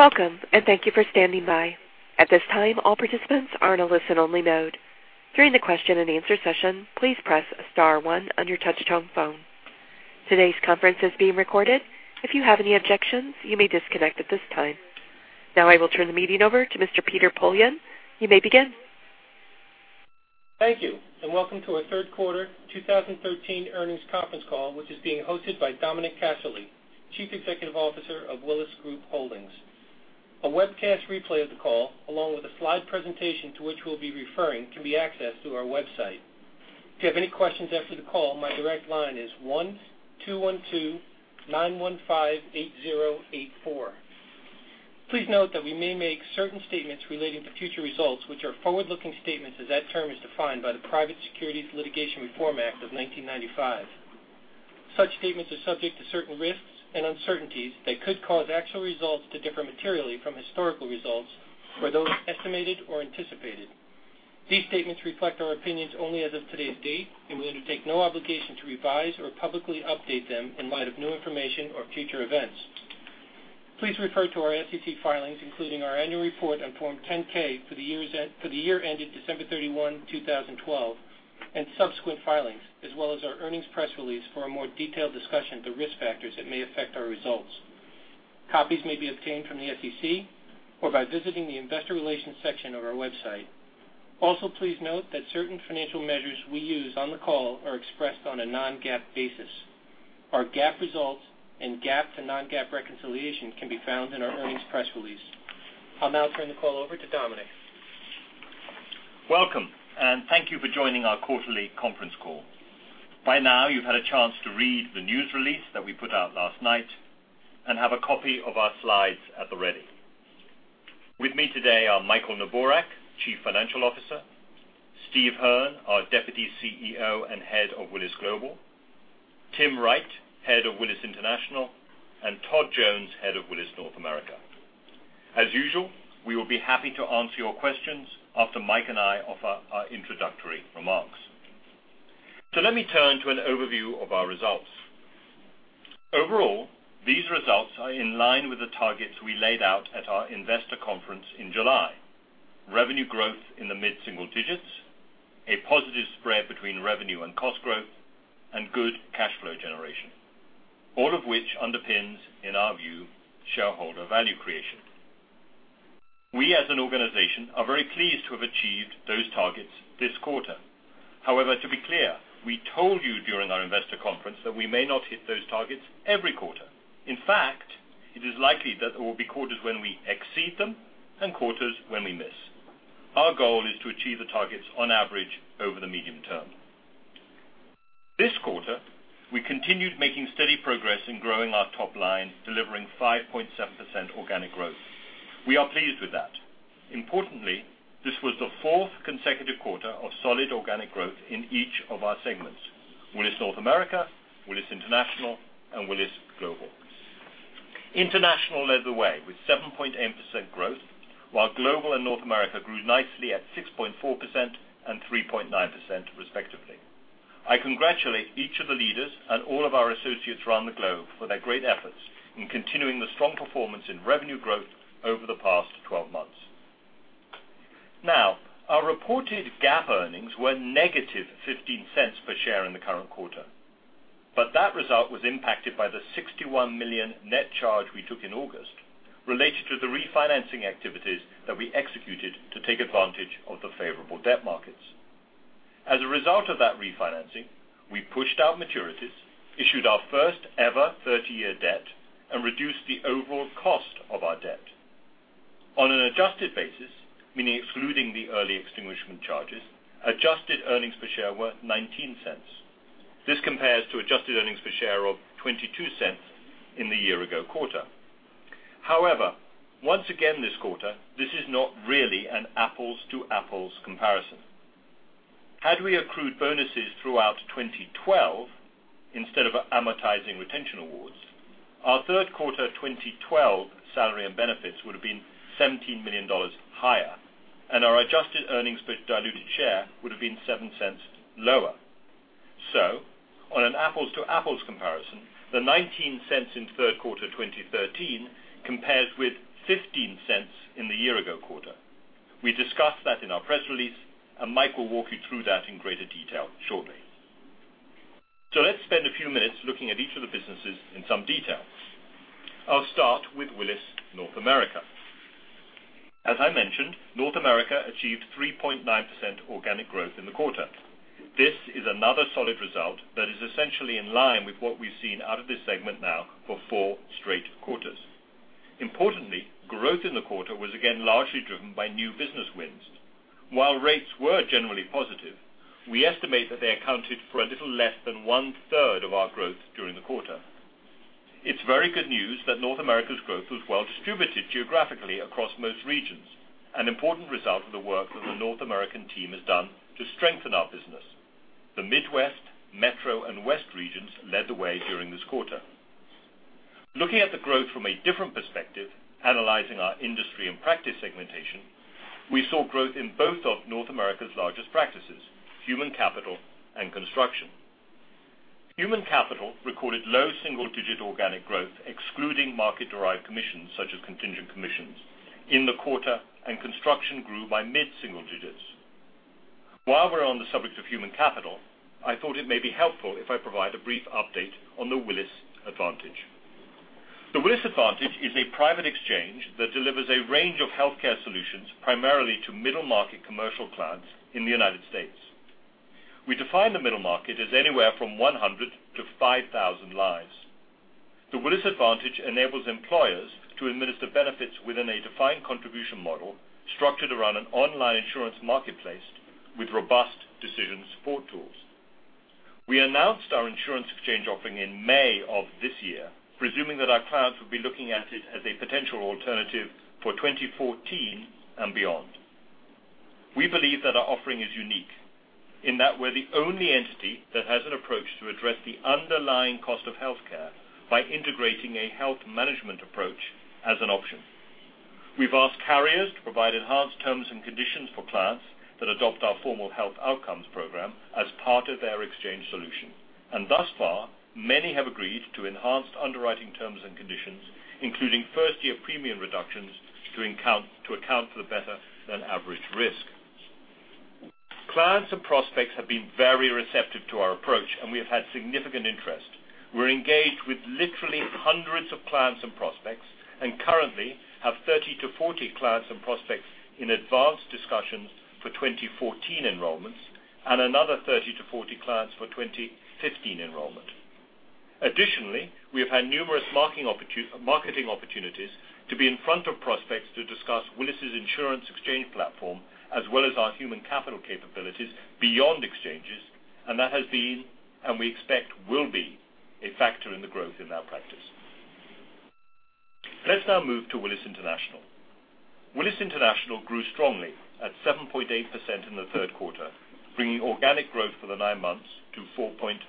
Welcome, and thank you for standing by. At this time, all participants are in a listen-only mode. During the question and answer session, please press star one on your touchtone phone. Today's conference is being recorded. If you have any objections, you may disconnect at this time. Now I will turn the meeting over to Mr. Peter Poillon. You may begin. Thank you. Welcome to our third quarter 2013 earnings conference call, which is being hosted by Dominic Casserley, Chief Executive Officer of Willis Group Holdings. A webcast replay of the call, along with a slide presentation to which we'll be referring, can be accessed through our website. If you have any questions after the call, my direct line is 1-212-915-8084. Please note that we may make certain statements relating to future results, which are forward-looking statements as that term is defined by the Private Securities Litigation Reform Act of 1995. Such statements are subject to certain risks and uncertainties that could cause actual results to differ materially from historical results or those estimated or anticipated. These statements reflect our opinions only as of today's date. We undertake no obligation to revise or publicly update them in light of new information or future events. Please refer to our SEC filings, including our annual report on Form 10-K for the year ended December 31, 2012, and subsequent filings, as well as our earnings press release for a more detailed discussion of the risk factors that may affect our results. Copies may be obtained from the SEC or by visiting the investor relations section of our website. Please note that certain financial measures we use on the call are expressed on a non-GAAP basis. Our GAAP results and GAAP to non-GAAP reconciliation can be found in our earnings press release. I'll now turn the call over to Dominic. Welcome, and thank you for joining our quarterly conference call. By now, you've had a chance to read the news release that we put out last night and have a copy of our slides at the ready. With me today are Michael Neborak, Chief Financial Officer, Steve Hearn, our Deputy CEO and Head of Willis Global, Tim Wright, Head of Willis International, and Todd Jones, Head of Willis North America. As usual, we will be happy to answer your questions after Mike and I offer our introductory remarks. Let me turn to an overview of our results. Overall, these results are in line with the targets we laid out at our investor conference in July. Revenue growth in the mid-single digits, a positive spread between revenue and cost growth, and good cash flow generation, all of which underpins, in our view, shareholder value creation. We, as an organization, are very pleased to have achieved those targets this quarter. However, to be clear, we told you during our investor conference that we may not hit those targets every quarter. In fact, it is likely that there will be quarters when we exceed them and quarters when we miss. Our goal is to achieve the targets on average over the medium term. This quarter, we continued making steady progress in growing our top line, delivering 5.7% organic growth. We are pleased with that. Importantly, this was the fourth consecutive quarter of solid organic growth in each of our segments, Willis North America, Willis International, and Willis Global. International led the way with 7.8% growth, while Global and North America grew nicely at 6.4% and 3.9%, respectively. I congratulate each of the leaders and all of our associates around the globe for their great efforts in continuing the strong performance in revenue growth over the past 12 months. Our reported GAAP earnings were -$0.15 per share in the current quarter, but that result was impacted by the $61 million net charge we took in August related to the refinancing activities that we executed to take advantage of the favorable debt markets. As a result of that refinancing, we pushed out maturities, issued our first ever 30-year debt, and reduced the overall cost of our debt. On an adjusted basis, meaning excluding the early extinguishment charges, adjusted earnings per share were $0.19. This compares to adjusted earnings per share of $0.22 in the year-ago quarter. Once again this quarter, this is not really an apples to apples comparison. Had we accrued bonuses throughout 2012, instead of amortizing retention awards, our third quarter 2012 salary and benefits would have been $17 million higher, and our adjusted earnings per diluted share would have been $0.07 lower. On an apples to apples comparison, the $0.19 in third quarter 2013 compares with $0.15 in the year-ago quarter. We discussed that in our press release, and Mike will walk you through that in greater detail shortly. Let's spend a few minutes looking at each of the businesses in some detail. I'll start with Willis North America. As I mentioned, North America achieved 3.9% organic growth in the quarter. This is another solid result that is essentially in line with what we've seen out of this segment now for four straight quarters. Importantly, growth in the quarter was again largely driven by new business wins. While rates were generally positive, we estimate that they accounted for a little less than one-third of our growth during the quarter. It's very good news that North America's growth was well distributed geographically across most regions, an important result of the work that the North American team has done to strengthen our business. The Midwest, Metro, and West regions led the way during this quarter. Looking at the growth from a different perspective, analyzing our industry and practice segmentation, we saw growth in both of North America's largest Human Capital and Human Capital recorded low single-digit organic growth, excluding market-derived commissions such as contingent commissions in the quarter, and construction grew by mid-single digits. While we're on the subject Human Capital, I thought it may be helpful if I provide a brief update on The Willis Advantage. The Willis Advantage is a private exchange that delivers a range of healthcare solutions primarily to middle-market commercial clients in the U.S. We define the middle market as anywhere from 100 to 5,000 lives. The Willis Advantage enables employers to administer benefits within a defined contribution model structured around an online insurance marketplace with robust decision support tools. We announced our insurance exchange offering in May of this year, presuming that our clients would be looking at it as a potential alternative for 2014 and beyond. We believe that our offering is unique, in that we're the only entity that has an approach to address the underlying cost of healthcare by integrating a health management approach as an option. We've asked carriers to provide enhanced terms and conditions for clients that adopt our formal health outcomes program as part of their exchange solution. Thus far, many have agreed to enhanced underwriting terms and conditions, including first-year premium reductions to account for the better-than-average risk. Clients and prospects have been very receptive to our approach, and we have had significant interest. We're engaged with literally hundreds of clients and prospects, and currently have 30 to 40 clients and prospects in advanced discussions for 2014 enrollments and another 30 to 40 clients for 2015 enrollment. Additionally, we have had numerous marketing opportunities to be in front of prospects to discuss Willis's insurance exchange platform, as well as our Human Capital capabilities beyond exchanges, and that has been, and we expect will be, a factor in the growth in our practice. Let's now move to Willis International. Willis International grew strongly at 7.8% in the third quarter, bringing organic growth for the nine months to 4.5%.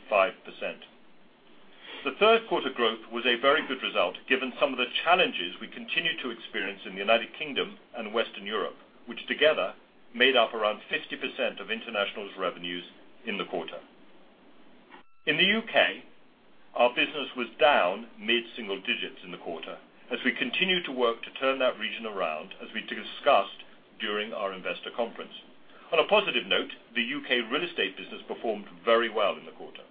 The third quarter growth was a very good result given some of the challenges we continue to experience in the U.K. and Western Europe, which together made up around 50% of International's revenues in the quarter. In the U.K., our business was down mid-single digits in the quarter as we continue to work to turn that region around, as we discussed during our investor conference. On a positive note, the U.K. real estate business performed very well in the quarter.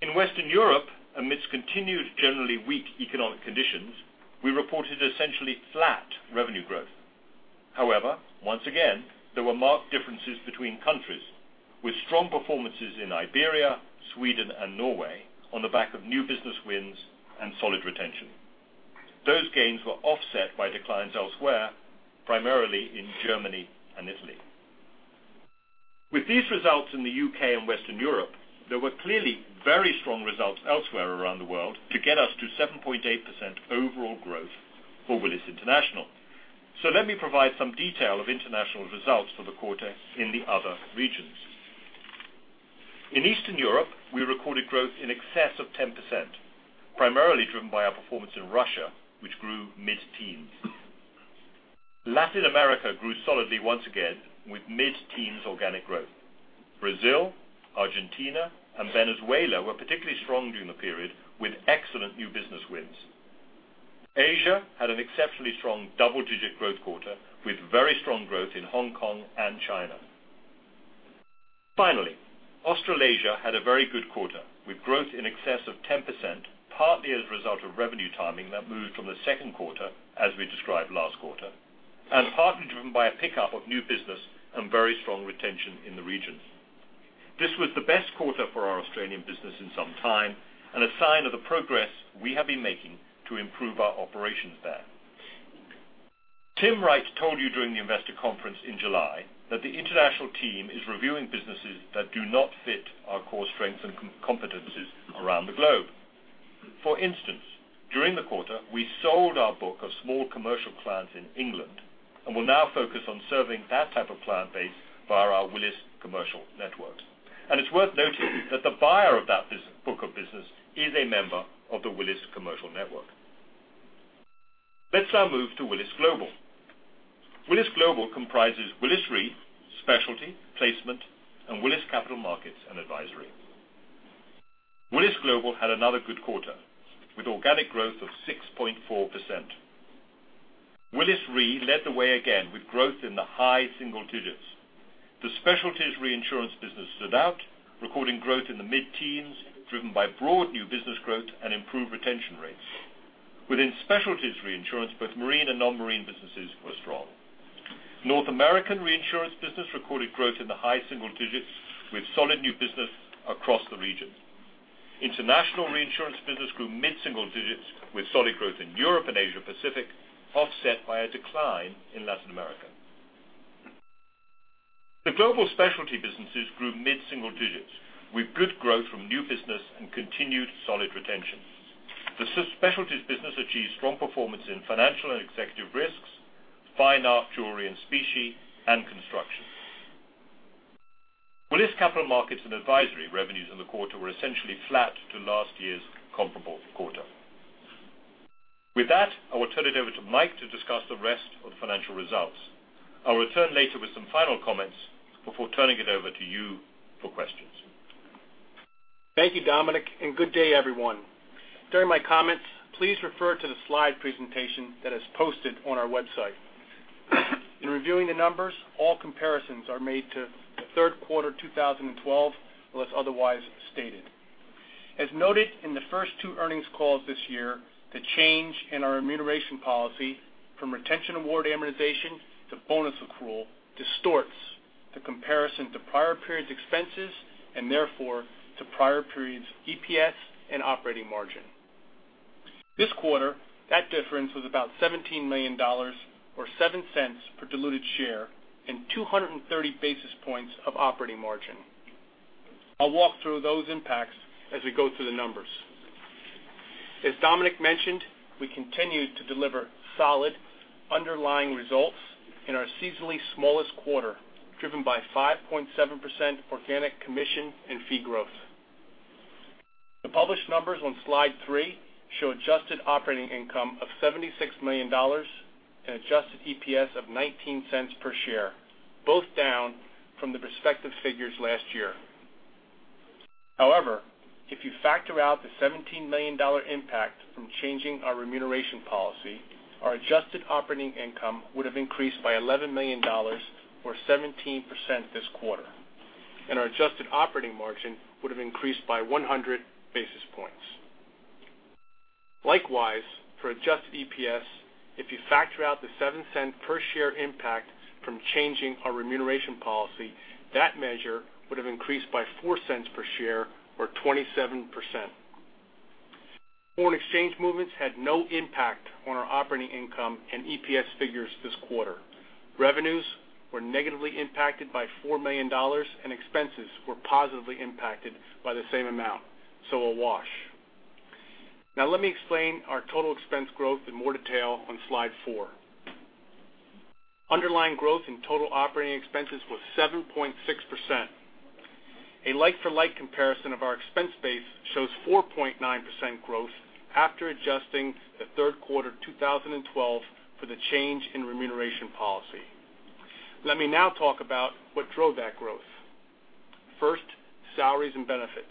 In Western Europe, amidst continued generally weak economic conditions, we reported essentially flat revenue growth. However, once again, there were marked differences between countries with strong performances in Iberia, Sweden, and Norway on the back of new business wins and solid retention. Those gains were offset by declines elsewhere, primarily in Germany and Italy. With these results in the U.K. and Western Europe, there were clearly very strong results elsewhere around the world to get us to 7.8% overall growth for Willis International. Let me provide some detail of international results for the quarter in the other regions. In Eastern Europe, we recorded growth in excess of 10%, primarily driven by our performance in Russia, which grew mid-teens. Latin America grew solidly once again with mid-teens organic growth. Brazil, Argentina, and Venezuela were particularly strong during the period with excellent new business wins. Asia had an exceptionally strong double-digit growth quarter with very strong growth in Hong Kong and China. Australasia had a very good quarter with growth in excess of 10%, partly as a result of revenue timing that moved from the second quarter, as we described last quarter, and partly driven by a pickup of new business and very strong retention in the region. This was the best quarter for our Australian business in some time and a sign of the progress we have been making to improve our operations there. Tim Wright told you during the investor conference in July that the International team is reviewing businesses that do not fit our core strengths and competencies around the globe. For instance, during the quarter, we sold our book of small commercial clients in England and will now focus on serving that type of client base via our Willis Commercial Network. It's worth noting that the buyer of that book of business is a member of the Willis Commercial Network. Let's now move to Willis Global. Willis Global comprises Willis Re, Specialty, Placement, and Willis Capital Markets & Advisory. Willis Global had another good quarter, with organic growth of 6.4%. Willis Re led the way again with growth in the high single digits. The Specialties Reinsurance business stood out, recording growth in the mid-teens, driven by broad new business growth and improved retention rates. Within Specialties Reinsurance, both marine and non-marine businesses were strong. North American reinsurance business recorded growth in the high single digits with solid new business across the region. International reinsurance business grew mid-single digits with solid growth in Europe and Asia Pacific, offset by a decline in Latin America. The global specialty businesses grew mid-single digits with good growth from new business and continued solid retention. The Specialties business achieved strong performance in financial and executive risks, fine art, jewelry, and specie, and construction. Willis Capital Markets & Advisory revenues in the quarter were essentially flat to last year's comparable quarter. With that, I will turn it over to Mike to discuss the rest of the financial results. I will return later with some final comments before turning it over to you for questions. Thank you, Dominic, and good day everyone. During my comments, please refer to the slide presentation that is posted on our website. In reviewing the numbers, all comparisons are made to the third quarter 2012, unless otherwise stated. As noted in the first two earnings calls this year, the change in our remuneration policy from retention award amortization to bonus accrual distorts the comparison to prior periods expenses and therefore to prior periods EPS and operating margin. This quarter, that difference was about $17 million or $0.07 per diluted share and 230 basis points of operating margin. I'll walk through those impacts as we go through the numbers. As Dominic mentioned, we continued to deliver solid underlying results in our seasonally smallest quarter, driven by 5.7% organic commission and fee growth. The published numbers on slide three show adjusted operating income of $76 million and adjusted EPS of $0.19 per share, both down from the respective figures last year. If you factor out the $17 million impact from changing our remuneration policy, our adjusted operating income would have increased by $11 million or 17% this quarter, and our adjusted operating margin would have increased by 100 basis points. Likewise, for adjusted EPS, if you factor out the $0.07 per share impact from changing our remuneration policy, that measure would have increased by $0.04 per share or 27%. Foreign exchange movements had no impact on our operating income and EPS figures this quarter. Revenues were negatively impacted by $4 million, and expenses were positively impacted by the same amount. A wash. Let me explain our total expense growth in more detail on slide four. Underlying growth in total operating expenses was 7.6%. A like-for-like comparison of our expense base shows 4.9% growth after adjusting the third quarter 2012 for the change in remuneration policy. Let me now talk about what drove that growth. First, salaries and benefits.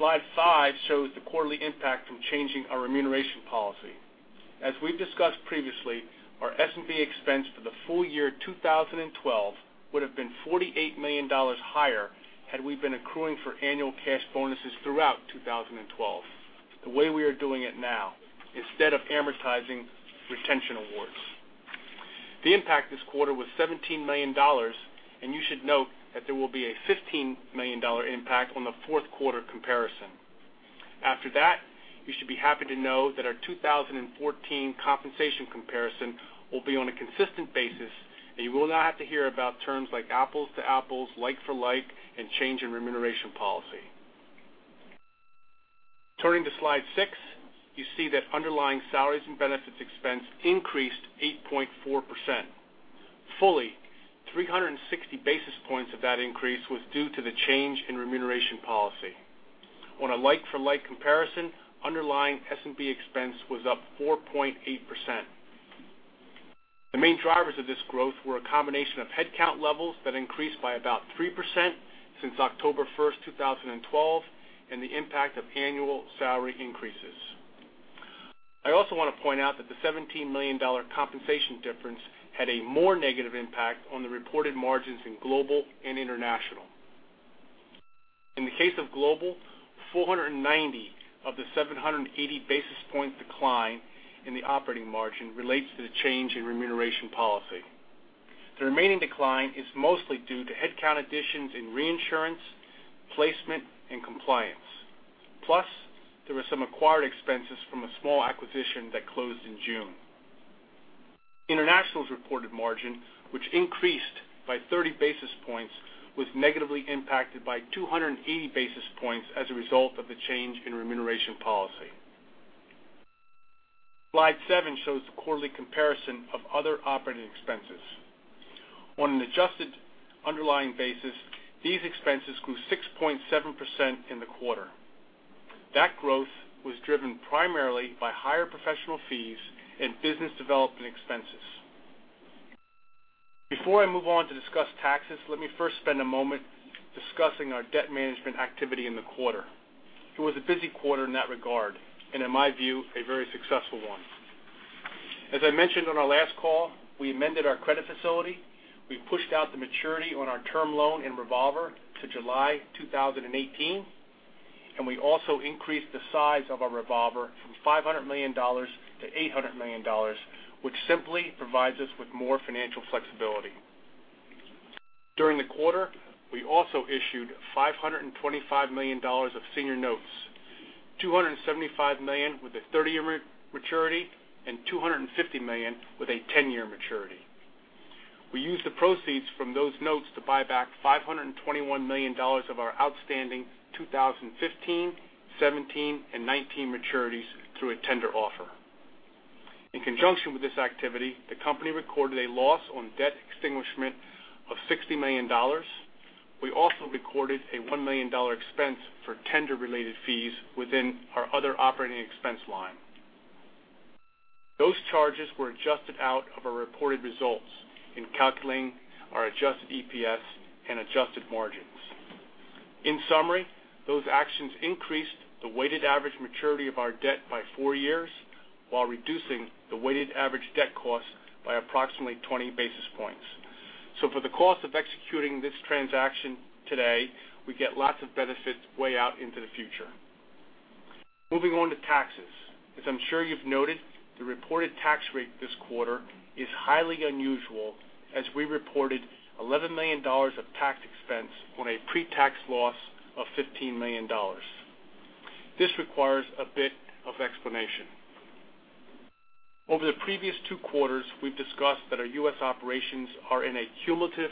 Slide five shows the quarterly impact from changing our remuneration policy. As we've discussed previously, our S&B expense for the full year 2012 would have been $48 million higher had we been accruing for annual cash bonuses throughout 2012, the way we are doing it now, instead of amortizing retention awards. The impact this quarter was $17 million, and you should note that there will be a $15 million impact on the fourth quarter comparison. After that, you should be happy to know that our 2014 compensation comparison will be on a consistent basis, and you will not have to hear about terms like apples to apples, like-for-like, and change in remuneration policy. Turning to slide six, you see that underlying salaries and benefits expense increased 8.4%. Fully 360 basis points of that increase was due to the change in remuneration policy. On a like-for-like comparison, underlying S&B expense was up 4.8%. The main drivers of this growth were a combination of headcount levels that increased by about 3% since October 1st, 2012, and the impact of annual salary increases. I also want to point out that the $17 million compensation difference had a more negative impact on the reported margins in Willis Global and Willis International. In the case of Willis Global, 490 of the 780 basis point decline in the operating margin relates to the change in remuneration policy. The remaining decline is mostly due to headcount additions in reinsurance, placement and compliance. Plus, there were some acquired expenses from a small acquisition that closed in June. Willis International's reported margin, which increased by 30 basis points, was negatively impacted by 280 basis points as a result of the change in remuneration policy. Slide seven shows the quarterly comparison of other operating expenses. On an adjusted underlying basis, these expenses grew 6.7% in the quarter. That growth was driven primarily by higher professional fees and business development expenses. Before I move on to discuss taxes, let me first spend a moment discussing our debt management activity in the quarter. It was a busy quarter in that regard, and in my view, a very successful one. As I mentioned on our last call, we amended our credit facility. We pushed out the maturity on our term loan and revolver to July 2018, and we also increased the size of our revolver from $500 million to $800 million, which simply provides us with more financial flexibility. During the quarter, we also issued $525 million of senior notes, $275 million with a 30-year maturity and $250 million with a 10-year maturity. We used the proceeds from those notes to buy back $521 million of our outstanding 2015, 2017, and 2019 maturities through a tender offer. In conjunction with this activity, the company recorded a loss on debt extinguishment of $60 million. We also recorded a $1 million expense for tender-related fees within our other operating expense line. Those charges were adjusted out of our reported results in calculating our adjusted EPS and adjusted margins. In summary, those actions increased the weighted average maturity of our debt by four years while reducing the weighted average debt cost by approximately 20 basis points. For the cost of executing this transaction today, we get lots of benefits way out into the future. Moving on to taxes. As I am sure you have noted, the reported tax rate this quarter is highly unusual as we reported $11 million of tax expense on a pre-tax loss of $15 million. This requires a bit of explanation. Over the previous two quarters, we have discussed that our U.S. operations are in a cumulative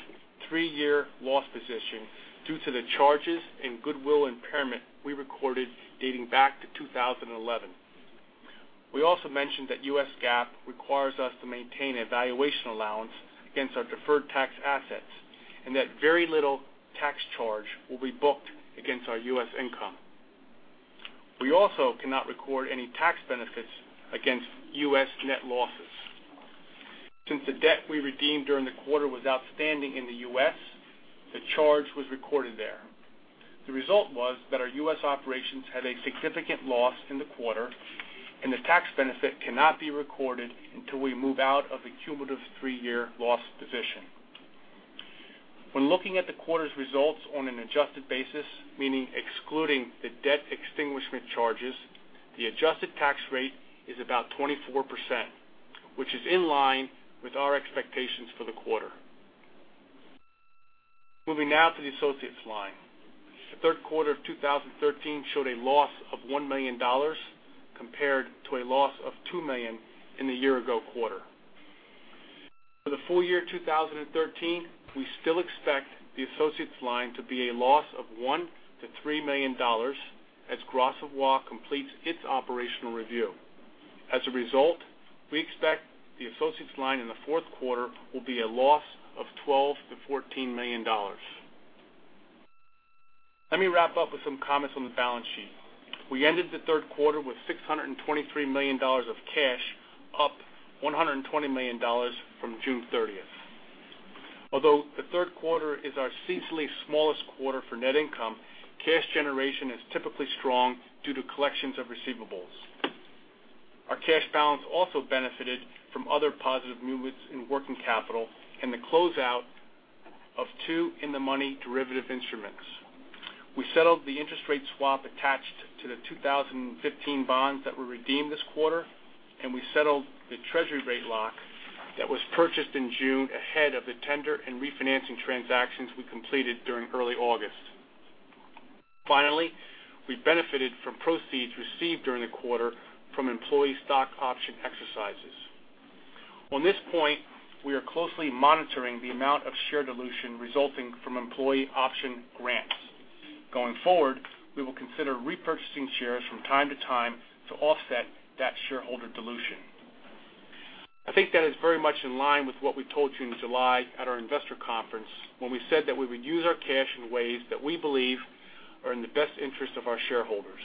three-year loss position due to the charges and goodwill impairment we recorded dating back to 2011. We also mentioned that U.S. GAAP requires us to maintain a valuation allowance against our deferred tax assets, and that very little tax charge will be booked against our U.S. income. We also cannot record any tax benefits against U.S. net losses. Since the debt we redeemed during the quarter was outstanding in the U.S., the charge was recorded there. The result was that our U.S. operations had a significant loss in the quarter, and the tax benefit cannot be recorded until we move out of the cumulative three-year loss position. When looking at the quarter's results on an adjusted basis, meaning excluding the debt extinguishment charges, the adjusted tax rate is about 24%, which is in line with our expectations for the quarter. Moving now to the associates line. The third quarter of 2013 showed a loss of $1 million compared to a loss of $2 million in the year-ago quarter. For the full year 2013, we still expect the associates line to be a loss of $1 million to $3 million as Gras Savoye completes its operational review. As a result, we expect the associates line in the fourth quarter will be a loss of $12 million to $14 million. Let me wrap up with some comments on the balance sheet. We ended the third quarter with $623 million of cash, up $120 million from June 30th. Although the third quarter is our seasonally smallest quarter for net income, cash generation is typically strong due to collections of receivables. Our cash balance also benefited from other positive movements in working capital and the closeout of two in-the-money derivative instruments. We settled the interest rate swap attached to the 2015 bonds that were redeemed this quarter, and we settled the Treasury rate lock that was purchased in June ahead of the tender and refinancing transactions we completed during early August. Finally, we benefited from proceeds received during the quarter from employee stock option exercises. On this point, we are closely monitoring the amount of share dilution resulting from employee option grants. Going forward, we will consider repurchasing shares from time to time to offset that shareholder dilution. I think that is very much in line with what we told you in July at our investor conference when we said that we would use our cash in ways that we believe are in the best interest of our shareholders.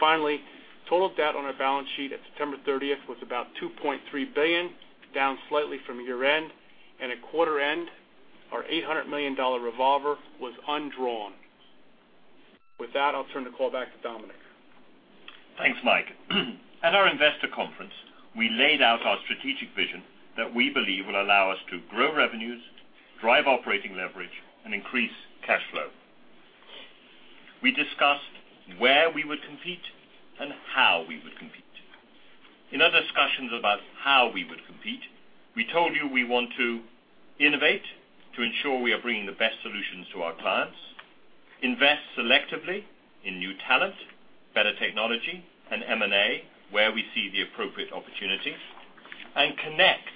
Finally, total debt on our balance sheet at September 30th was about $2.3 billion, down slightly from year-end, and at quarter end, our $800 million revolver was undrawn. With that, I'll turn the call back to Dominic. Thanks, Mike. At our investor conference, we laid out our strategic vision that we believe will allow us to grow revenues, drive operating leverage, and increase cash flow. We discussed where we would compete and how we would compete. In our discussions about how we would compete, we told you we want to innovate to ensure we are bringing the best solutions to our clients, invest selectively in new talent, better technology, and M&A, where we see the appropriate opportunities, and connect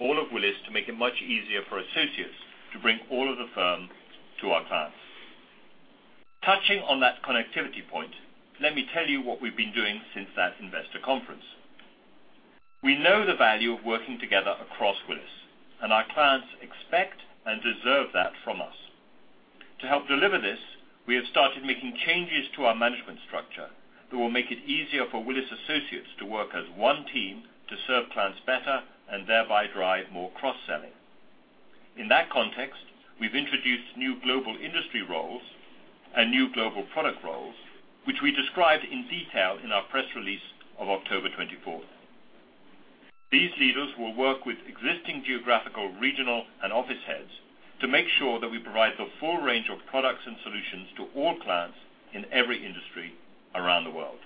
all of Willis to make it much easier for associates to bring all of the firm to our clients. Touching on that connectivity point, let me tell you what we've been doing since that investor conference. We know the value of working together across Willis, and our clients expect and deserve that from us. To help deliver this, we have started making changes to our management structure that will make it easier for Willis associates to work as one team to serve clients better and thereby drive more cross-selling. In that context, we've introduced new global industry roles and new global product roles, which we described in detail in our press release of October 24th. These leaders will work with existing geographical, regional, and office heads to make sure that we provide the full range of products and solutions to all clients in every industry around the world.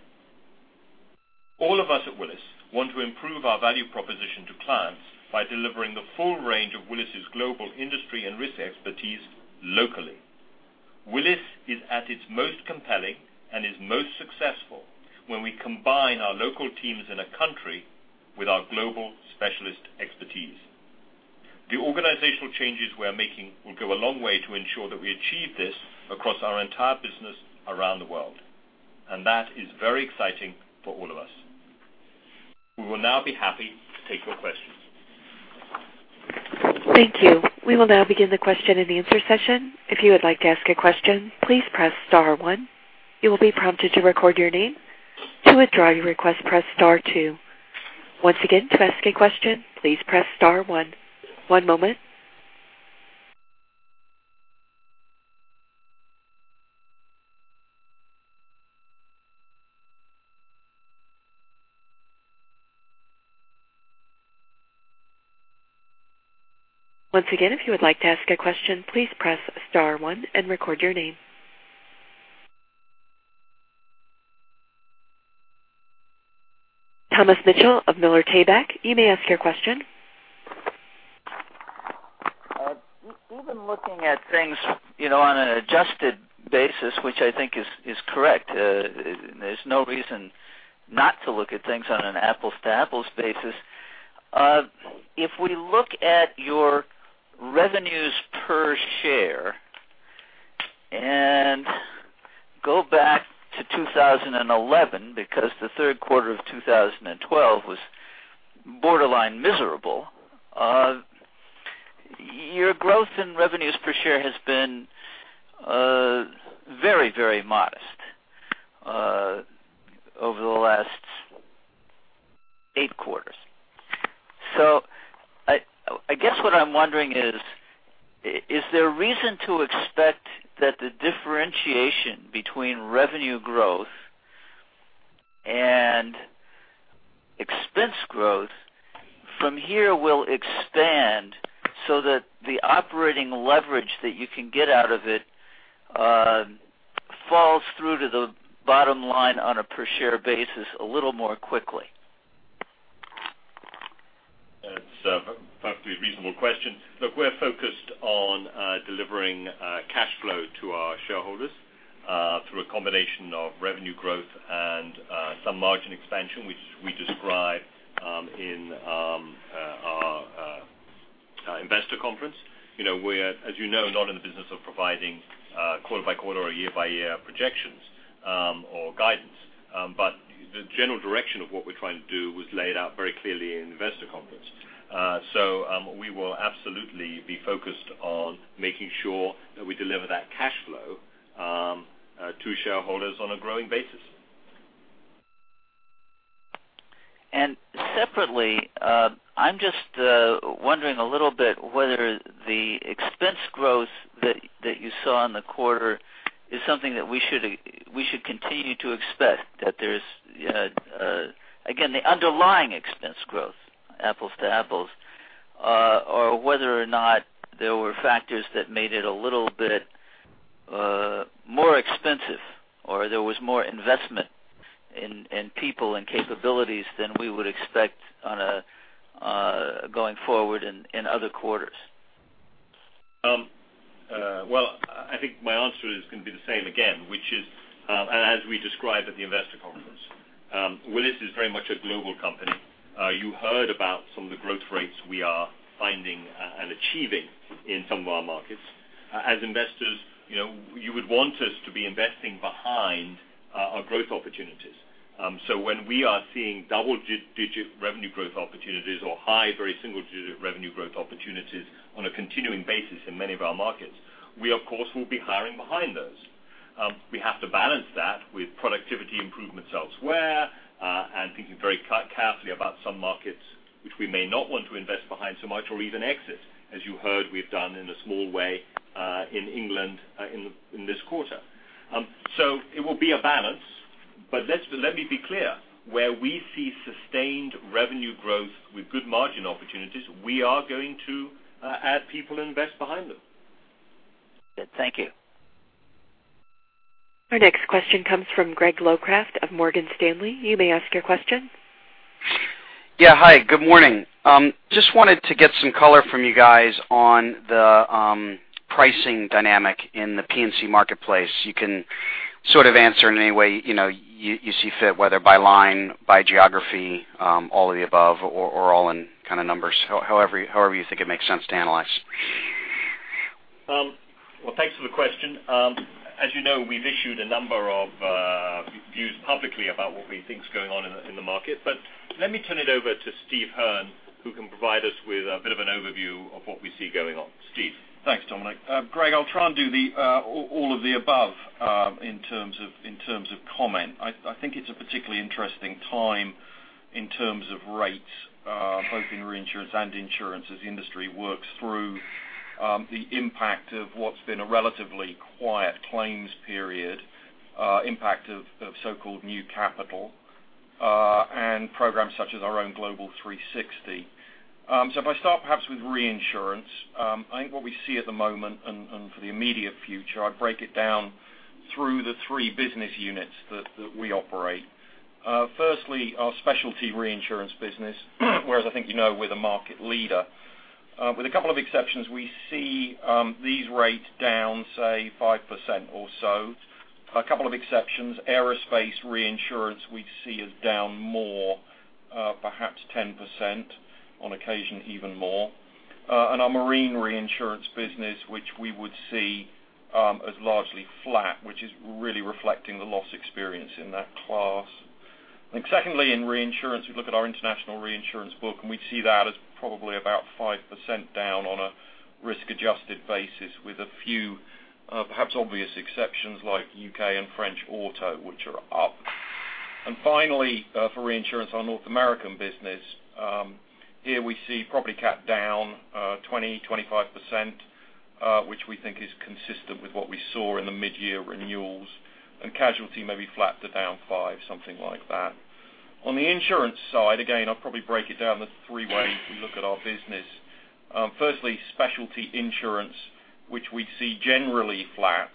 All of us at Willis want to improve our value proposition to clients by delivering the full range of Willis's global industry and risk expertise locally. Willis is at its most compelling and is most successful when we combine our local teams in a country with our global specialist expertise. The organizational changes we are making will go a long way to ensure that we achieve this across our entire business around the world. That is very exciting for all of us. We will now be happy to take your questions. Thank you. We will now begin the question and answer session. If you would like to ask a question, please press star one. You will be prompted to record your name. To withdraw your request, press star two. Once again, to ask a question, please press star one. One moment. Once again, if you would like to ask a question, please press star one and record your name. Tom Mitchell of Miller Tabak, you may ask your question. Even looking at things on an adjusted basis, which I think is correct, there's no reason not to look at things on an apples to apples basis. If we look at your revenues per share and go back to 2011, because the third quarter of 2012 was borderline miserable, your growth in revenues per share has been very modest over the last eight quarters. I guess what I'm wondering is there reason to expect that the differentiation between revenue growth and expense growth from here will expand so that the operating leverage that you can get out of it falls through to the bottom line on a per share basis a little more quickly? It's a perfectly reasonable question. Look, we're focused on delivering cash flow to our shareholders through a combination of revenue growth and some margin expansion, which we describe in our investor conference. We're, as you know, not in the business of providing quarter by quarter or year by year projections or guidance. The general direction of what we're trying to do was laid out very clearly in the investor conference. We will absolutely be focused on making sure that we deliver that cash flow to shareholders on a growing basis. Separately, I'm just wondering a little bit whether the expense growth that you saw in the quarter is something that we should continue to expect, again, the underlying expense growth, apples to apples, or whether or not there were factors that made it a little bit more expensive, or there was more investment in people and capabilities than we would expect going forward in other quarters. I think my answer is going to be the same again, which is as we described at the investor conference. Willis is very much a global company. You heard about some of the growth rates we are finding and achieving in some of our markets. As investors, you would want us to be investing behind our growth opportunities. When we are seeing double-digit revenue growth opportunities or high very single-digit revenue growth opportunities on a continuing basis in many of our markets, we of course will be hiring behind those. We have to balance that with productivity improvements elsewhere, and thinking very carefully about some markets which we may not want to invest behind so much or even exit, as you heard we've done in a small way, in England in this quarter. It will be a balance. Let me be clear. Where we see sustained revenue growth with good margin opportunities, we are going to add people and invest behind them. Good. Thank you. Our next question comes from Greg Locraft of Morgan Stanley. You may ask your question. Yeah. Hi, good morning. Just wanted to get some color from you guys on the pricing dynamic in the P&C marketplace. You can answer in any way you see fit, whether by line, by geography, all of the above or all in kind of numbers. However, you think it makes sense to analyze. Well, thanks for the question. As you know, we've issued a number of views publicly about what we think is going on in the market. Let me turn it over to Steve Hearn, who can provide us with a bit of an overview of what we see going on. Steve. Thanks, Dominic. Greg, I'll try and do the all of the above, in terms of comment. I think it's a particularly interesting time in terms of rates, both in reinsurance and insurance as the industry works through the impact of what's been a relatively quiet claims period, impact of so-called new capital, and programs such as our own Global 360. If I start perhaps with reinsurance, I think what we see at the moment and for the immediate future, I break it down through the three business units that we operate. Firstly, our Specialty Reinsurance business, where as I think you know, we're the market leader. With a couple of exceptions, we see these rates down, say 5% or so. A couple of exceptions. Aerospace reinsurance we see is down more, perhaps 10%, on occasion, even more. Our marine reinsurance business, which we would see as largely flat, which is really reflecting the loss experience in that class. Secondly, in reinsurance, we look at our international reinsurance book, and we see that as probably about 5% down on a risk-adjusted basis with a few perhaps obvious exceptions like U.K. and French Auto, which are up. Finally, for reinsurance on North American business, here we see property cat down 20%, 25%, which we think is consistent with what we saw in the mid-year renewals, and casualty may be flat to down five, something like that. On the insurance side, again, I'll probably break it down the three ways we look at our business. Firstly, specialty insurance, which we see generally flat,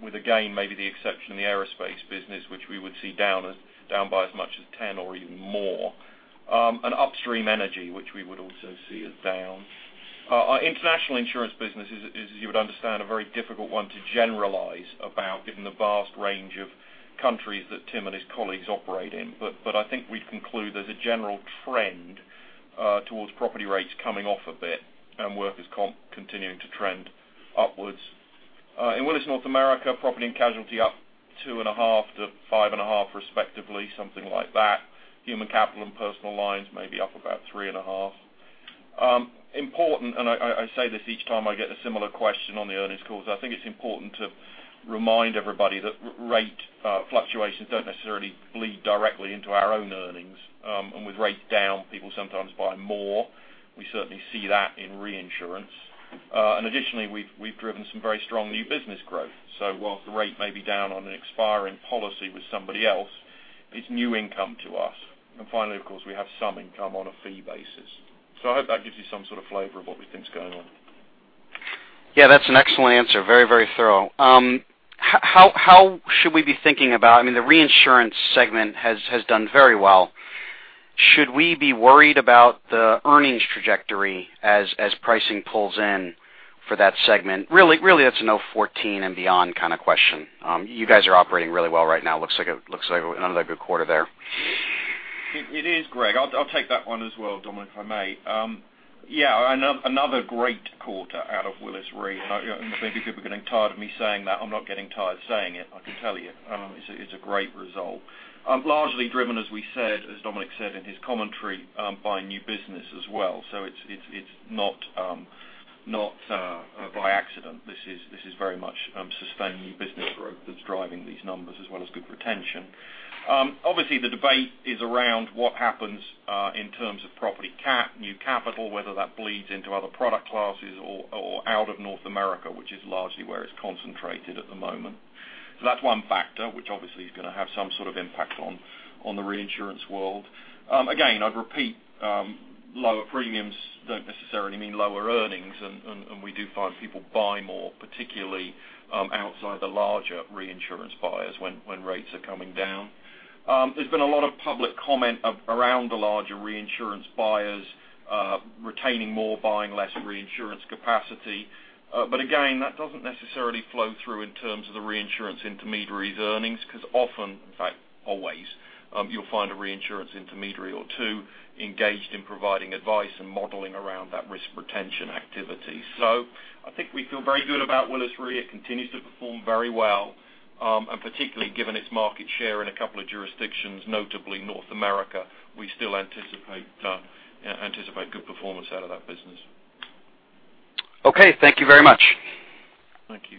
with again, maybe the exception in the aerospace business, which we would see down by as much as 10% or even more, and upstream energy, which we would also see as down. Our international insurance business is, as you would understand, a very difficult one to generalize about given the vast range of countries that Tim and his colleagues operate in. I think we'd conclude there's a general trend towards property rates coming off a bit and workers' comp continuing to trend upwards. In Willis North America, property and casualty up 2.5%-5.5% respectively, something like that. Human Capital and personal lines may be up about 3.5%. Important, I say this each time I get a similar question on the earnings calls. Yeah, that's an excellent answer. Very thorough. I think it's important to remind everybody that rate fluctuations don't necessarily bleed directly into our own earnings. With rates down, people sometimes buy more. We certainly see that in reinsurance. Additionally, we've driven some very strong new business growth. While the rate may be down on an expiring policy with somebody else, it's new income to us. Finally, of course, we have some income on a fee basis. I hope that gives you some sort of flavor of what we think is going on. Yeah, that's an excellent answer. Very thorough. How should we be thinking about I mean, the reinsurance segment has done very well. Should we be worried about the earnings trajectory as pricing pulls in for that segment? Really, that's a 2014 and beyond kind of question. You guys are operating really well right now. Looks like another good quarter there. It is, Greg. I'll take that one as well, Dominic, if I may. Yeah, another great quarter out of Willis Re. Maybe people are getting tired of me saying that. I'm not getting tired saying it, I can tell you. It's a great result. Largely driven, as we said, as Dominic said in his commentary, by new business as well. It's not by accident. This is very much sustained new business growth that's driving these numbers as well as good retention. Obviously, the debate is around what happens in terms of property cat, new capital, whether that bleeds into other product classes or out of North America, which is largely where it's concentrated at the moment. That's one factor which obviously is going to have some sort of impact on the reinsurance world. I'd repeat, lower premiums don't necessarily mean lower earnings, and we do find people buy more, particularly outside the larger reinsurance buyers when rates are coming down. There's been a lot of public comment around the larger reinsurance buyers retaining more, buying less reinsurance capacity. Again, that doesn't necessarily flow through in terms of the reinsurance intermediaries' earnings, because often, in fact always, you'll find a reinsurance intermediary or two engaged in providing advice and modeling around that risk retention activity. I think we feel very good about Willis Re. It continues to perform very well, and particularly given its market share in a couple of jurisdictions, notably North America, we still anticipate good performance out of that business. Okay. Thank you very much. Thank you.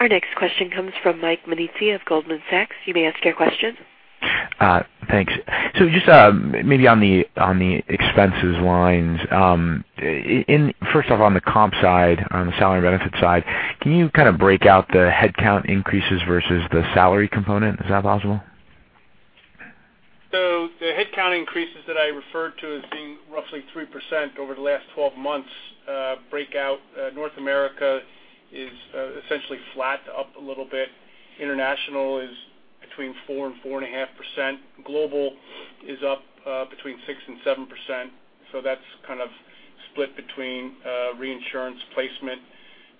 Our next question comes from Michael Nannizzi of Goldman Sachs. You may ask your question. Thanks. Just maybe on the expenses lines. First off, on the comp side, on the salary benefits side, can you kind of break out the headcount increases versus the salary component? Is that possible? The headcount increases that I referred to as being roughly 3% over the last 12 months breakout, North America is essentially flat to up a little bit. International is between 4% and 4.5%. Global is up between 6% and 7%. That's kind of split between reinsurance placement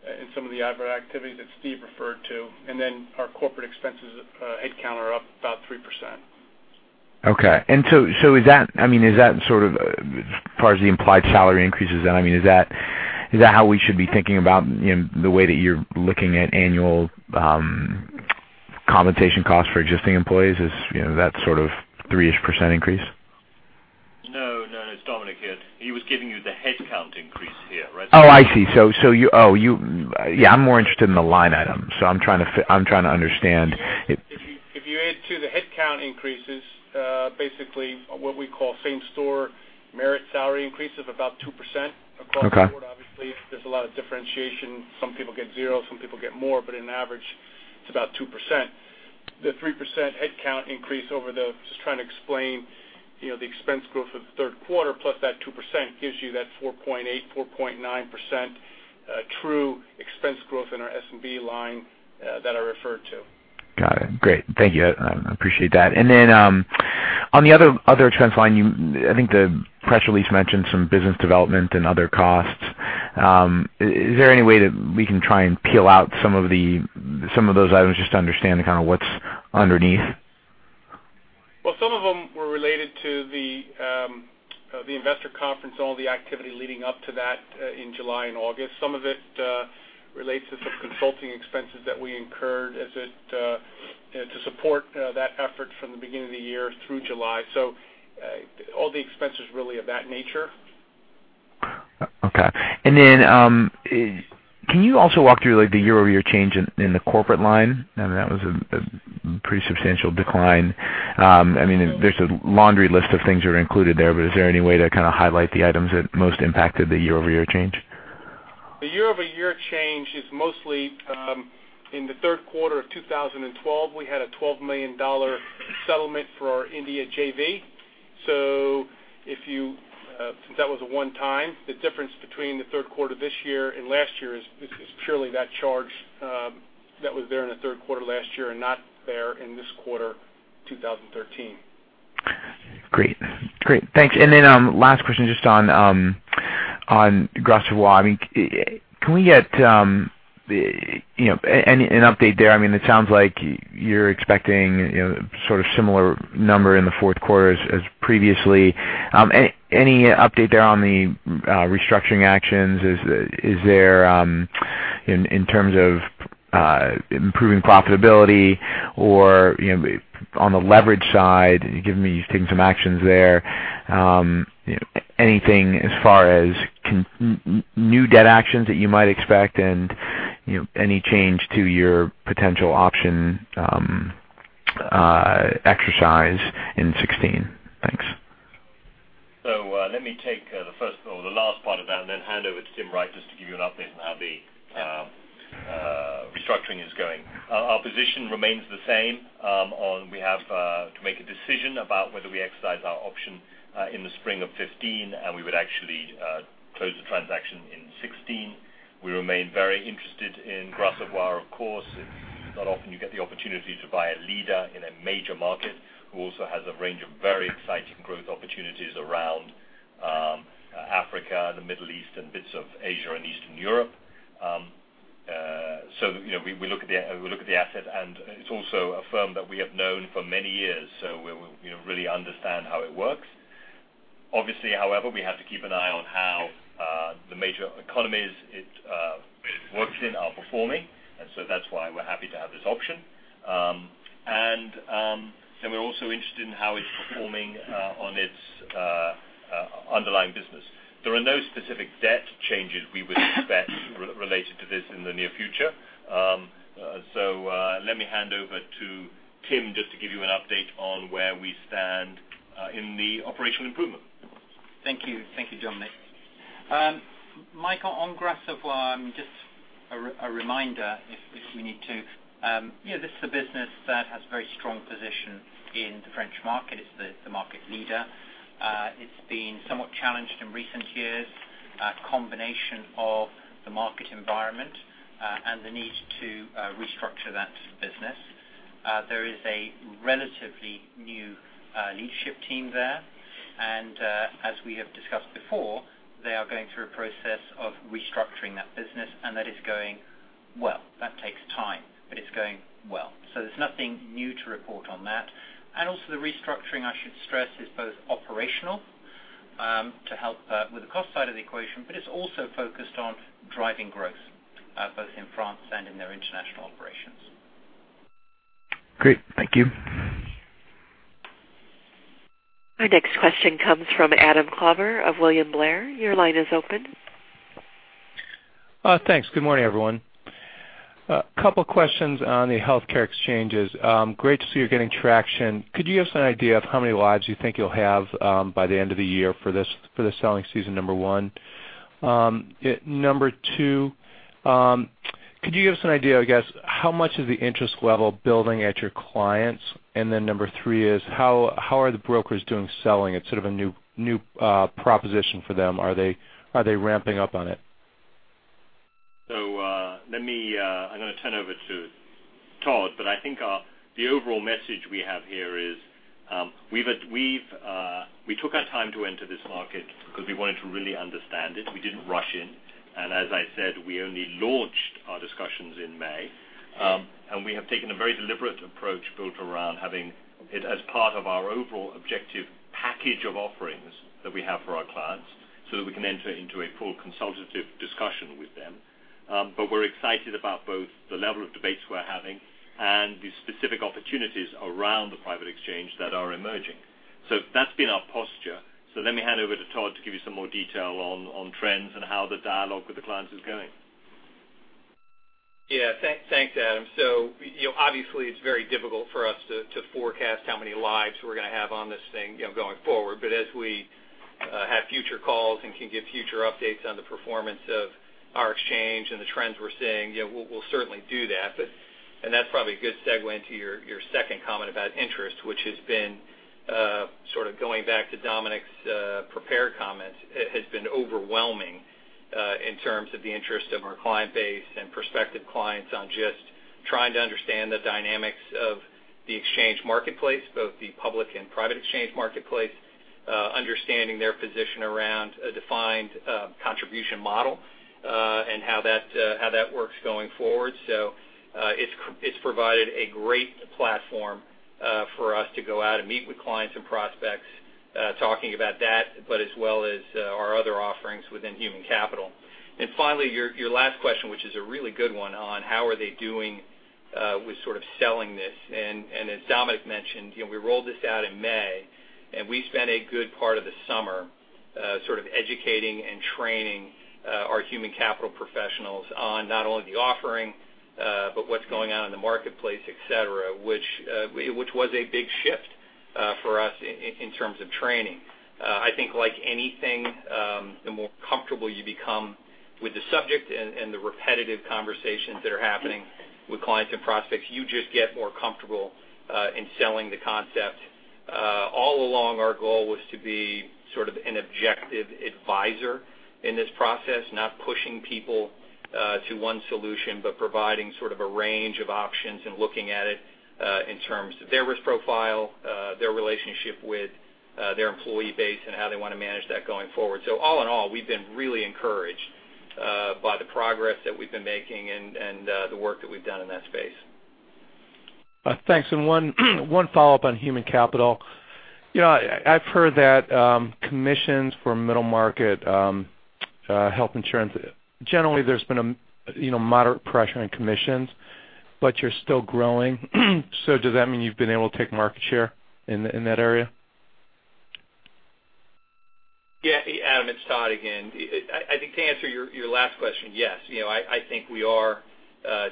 and some of the other activities that Steve referred to. Then our corporate expenses headcount are up about 3%. Okay. Is that sort of, as far as the implied salary increases, is that how we should be thinking about the way that you're looking at annual compensation costs for existing employees is, that sort of 3%-ish increase? No, it's Dominic here. He was giving you the headcount increase here, right? I see. I'm more interested in the line item. I'm trying to understand it. If you add to the headcount increases, basically what we call same store merit salary increase of about 2% across- Okay the board. Obviously, there's a lot of differentiation. Some people get zero, some people get more, but in average, it's about 2%. The 3% headcount increase over the, just trying to explain the expense growth of the third quarter plus that 2% gives you that 4.8%, 4.9% true expense growth in our S&B line that I referred to. Got it. Great. Thank you. I appreciate that. On the other trends line, I think the press release mentioned some business development and other costs. Is there any way that we can try and peel out some of those items just to understand what's underneath? Well, some of them were related to the investor conference and all the activity leading up to that in July and August. Some of it relates to some consulting expenses that we incurred to support that effort from the beginning of the year through July. All the expenses really are of that nature. Okay. Can you also walk through the year-over-year change in the corporate line? I know that was a pretty substantial decline. There's a laundry list of things that are included there, but is there any way to kind of highlight the items that most impacted the year-over-year change? The year-over-year change is mostly in the third quarter of 2012. We had a $12 million settlement for our India JV. Since that was a one time, the difference between the third quarter this year and last year is purely that charge that was there in the third quarter last year and not there in this quarter 2013. Great. Thanks. Last question, just on Gras Savoye. Can we get an update there? It sounds like you're expecting sort of similar number in the fourth quarter as previously. Any update there on the restructuring actions? Is there, in terms of improving profitability or on the leverage side, you've taken some actions there. Anything as far as new debt actions that you might expect and any change to your potential option exercise in 2016? Thanks. Let me take the last part of that and then hand over to Tim Wright just to give you an update on how the restructuring is going. Our position remains the same. We have to make a decision about whether we exercise our option in the spring of 2015, and we would actually close the transaction in 2016. We remain very interested in Gras Savoye, of course. It's not often you get the opportunity to buy a leader in a major market who also has a range of very exciting growth opportunities around Africa, the Middle East and bits of Asia and Eastern Europe. We look at the asset, and it's also a firm that we have known for many years, so we really understand how it works. Obviously, however, we have to keep an eye on how the major economies it works in are performing, and that's why we're happy to have this option. We're also interested in how it's performing on its underlying business. There are no specific debt changes we would expect related to this in the near future. Let me hand over to Tim just to give you an update on where we stand in the operational improvement. Thank you, Dominic. Michael, on Gras Savoye, just a reminder if we need to. This is a business that has very strong position in the French market. It's the market leader. It's been somewhat challenged in recent years, a combination of the market environment and the need to restructure that business. There is a relatively new leadership team there. As we have discussed before, they are going through a process of restructuring that business, and that is going well. That takes time, but it's going well. There's nothing new to report on that. Also the restructuring, I should stress, is both operational to help with the cost side of the equation, but it's also focused on driving growth both in France and in their international operations. Great. Thank you. Our next question comes from Adam Klauber of William Blair. Your line is open. Thanks. Good morning, everyone. A couple questions on the healthcare exchanges. Great to see you're getting traction. Could you give us an idea of how many lives you think you'll have by the end of the year for the selling season, number one? Number two, could you give us an idea, I guess, how much of the interest level building at your clients? Number three is, how are the brokers doing selling? It's sort of a new proposition for them. Are they ramping up on it? I'm going to turn over to Todd. I think the overall message we have here is we took our time to enter this market because we wanted to really understand it. We didn't rush in. As I said, we only launched our discussions in May. We have taken a very deliberate approach built around having it as part of our overall objective package of offerings that we have for our clients so that we can enter into a full consultative discussion with them. We're excited about both the level of debates we're having and the specific opportunities around the private exchange that are emerging. That's been our posture. Let me hand over to Todd to give you some more detail on trends and how the dialogue with the clients is going. Yeah. Thanks, Adam. Obviously it's very difficult for us to forecast how many lives we're going to have on this thing going forward. As we have future calls and can give future updates on the performance of our exchange and the trends we're seeing, we'll certainly do that. That's probably a good segue into your second comment about interest, which has been sort of going back to Dominic's prepared comments, has been overwhelming. In terms of the interest of our client base and prospective clients on just trying to understand the dynamics of the exchange marketplace, both the public and private exchange marketplace, understanding their position around a defined contribution model, and how that works going forward. It's provided a great platform for us to go out and meet with clients and prospects, talking about that, but as well as our other offerings within Human Capital. Finally, your last question, which is a really good one, on how are they doing with selling this. As Dominic mentioned, we rolled this out in May, we spent a good part of the summer educating and training our Human Capital professionals on not only the offering, but what's going on in the marketplace, et cetera, which was a big shift for us in terms of training. I think like anything, the more comfortable you become with the subject and the repetitive conversations that are happening with clients and prospects, you just get more comfortable in selling the concept. All along, our goal was to be an objective advisor in this process, not pushing people to one solution, but providing a range of options and looking at it in terms of their risk profile, their relationship with their employee base, and how they want to manage that going forward. All in all, we've been really encouraged by the progress that we've been making and the work that we've done in that space. Thanks. One follow-up on Human Capital. I've heard that commissions for middle-market health insurance, generally, there's been a moderate pressure on commissions, but you're still growing. Does that mean you've been able to take market share in that area? Yeah. Adam, it's Todd again. I think to answer your last question, yes. I think we are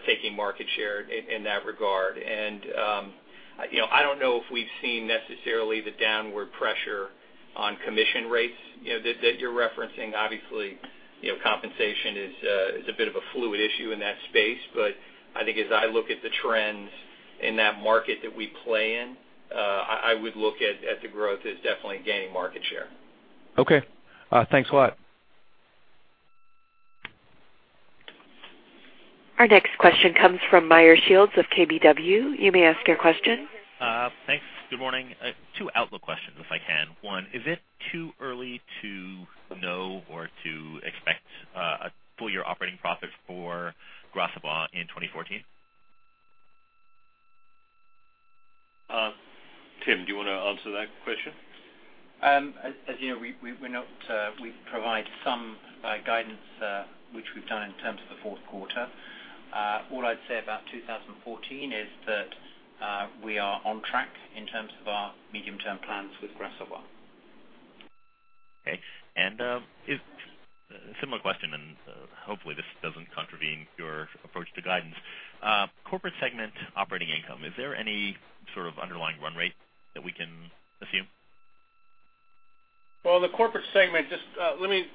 taking market share in that regard. I don't know if we've seen necessarily the downward pressure on commission rates that you're referencing. Obviously, compensation is a bit of a fluid issue in that space. I think as I look at the trends in that market that we play in, I would look at the growth as definitely gaining market share. Okay. Thanks a lot. Our next question comes from Meyer Shields of KBW. You may ask your question. Thanks. Good morning. Two outlook questions, if I can. One, is it too early to know or to expect a full-year operating profit for Gras Savoye in 2014? Tim, do you want to answer that question? As you know, we provide some guidance, which we've done in terms of the fourth quarter. All I'd say about 2014 is that we are on track in terms of our medium-term plans with Gras Savoye. Okay. A similar question, hopefully this doesn't contravene your approach to guidance. Corporate segment operating income, is there any sort of underlying run rate that we can assume? Well, the corporate segment, just let me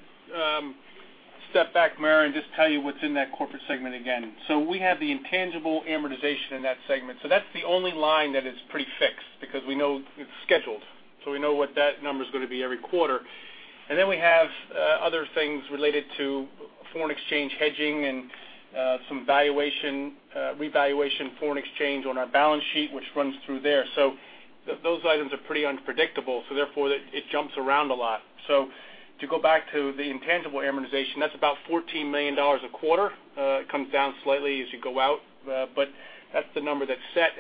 step back, Meyer, and just tell you what's in that corporate segment again. We have the intangible amortization in that segment. That's the only line that is pretty fixed because we know it's scheduled, we know what that number's going to be every quarter. We have other things related to foreign exchange hedging and some revaluation foreign exchange on our balance sheet, which runs through there. Those items are pretty unpredictable, so therefore it jumps around a lot. To go back to the intangible amortization, that's about $14 million a quarter. It comes down slightly as you go out, but that's the number that's set,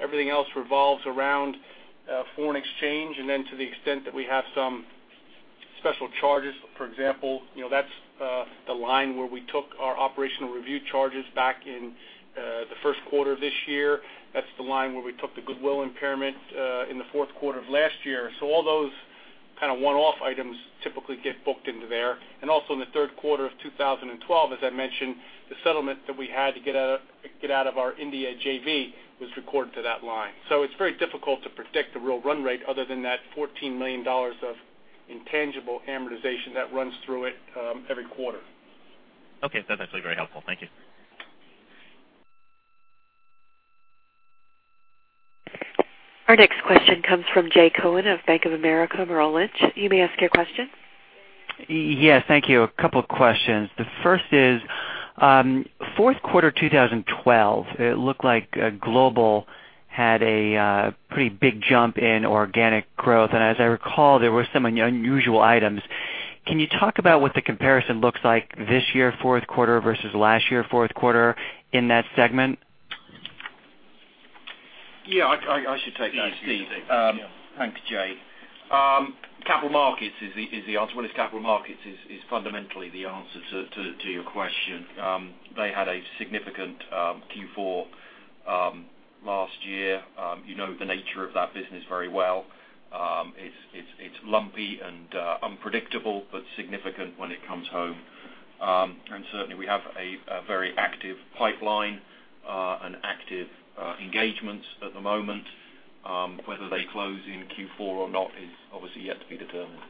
everything else revolves around foreign exchange, then to the extent that we have some special charges. For example, that's the line where we took our operational review charges back in the first quarter of this year. That's the line where we took the goodwill impairment in the fourth quarter of last year. All those one-off items typically get booked into there. Also in the third quarter of 2012, as I mentioned, the settlement that we had to get out of our India JV was recorded to that line. It's very difficult to predict the real run rate other than that $14 million of intangible amortization that runs through it every quarter. Okay. That's actually very helpful. Thank you. Our next question comes from Jay Cohen of Bank of America Merrill Lynch. You may ask your question. Yes. Thank you. A couple questions. The first is, fourth quarter 2012, it looked like Global had a pretty big jump in organic growth, and as I recall, there were some unusual items. Can you talk about what the comparison looks like this year, fourth quarter versus last year, fourth quarter in that segment? Yeah, I should take that, Steve. Thanks, Jay. Capital Markets is the answer. Willis Capital Markets is fundamentally the answer to your question. They had a significant Q4 last year. You know the nature of that business very well. It's lumpy and unpredictable, but significant when it comes home. Certainly, we have a very active pipeline and active engagements at the moment. Whether they close in Q4 or not is obviously yet to be determined.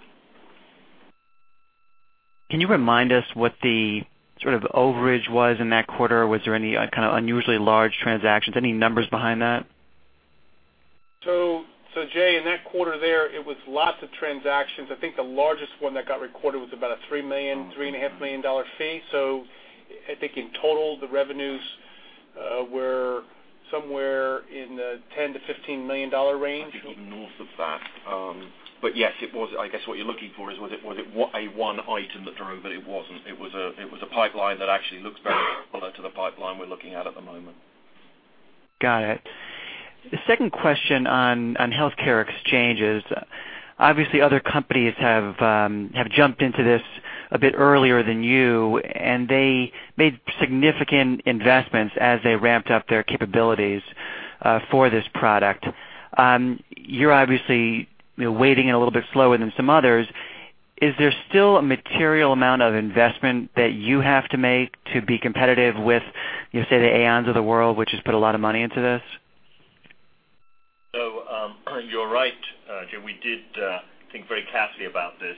Can you remind us what the overage was in that quarter? Was there any unusually large transactions? Any numbers behind that? Jay, in that quarter there, it was lots of transactions. I think the largest one that got recorded was about a $3 million, $3.5 million fee. I think in total, the revenues were somewhere in the $10 million-$15 million range. I think even north of that. Yes, I guess what you're looking for is was it a one item that drove? It wasn't. It was a pipeline that actually looks very similar to the pipeline we're looking at at the moment. Got it. Second question on healthcare exchanges. Obviously other companies have jumped into this a bit earlier than you, and they made significant investments as they ramped up their capabilities for this product. You're obviously wading in a little bit slower than some others. Is there still a material amount of investment that you have to make to be competitive with, say, the Aons of the world, which has put a lot of money into this? You're right, Jay. We did think very carefully about this,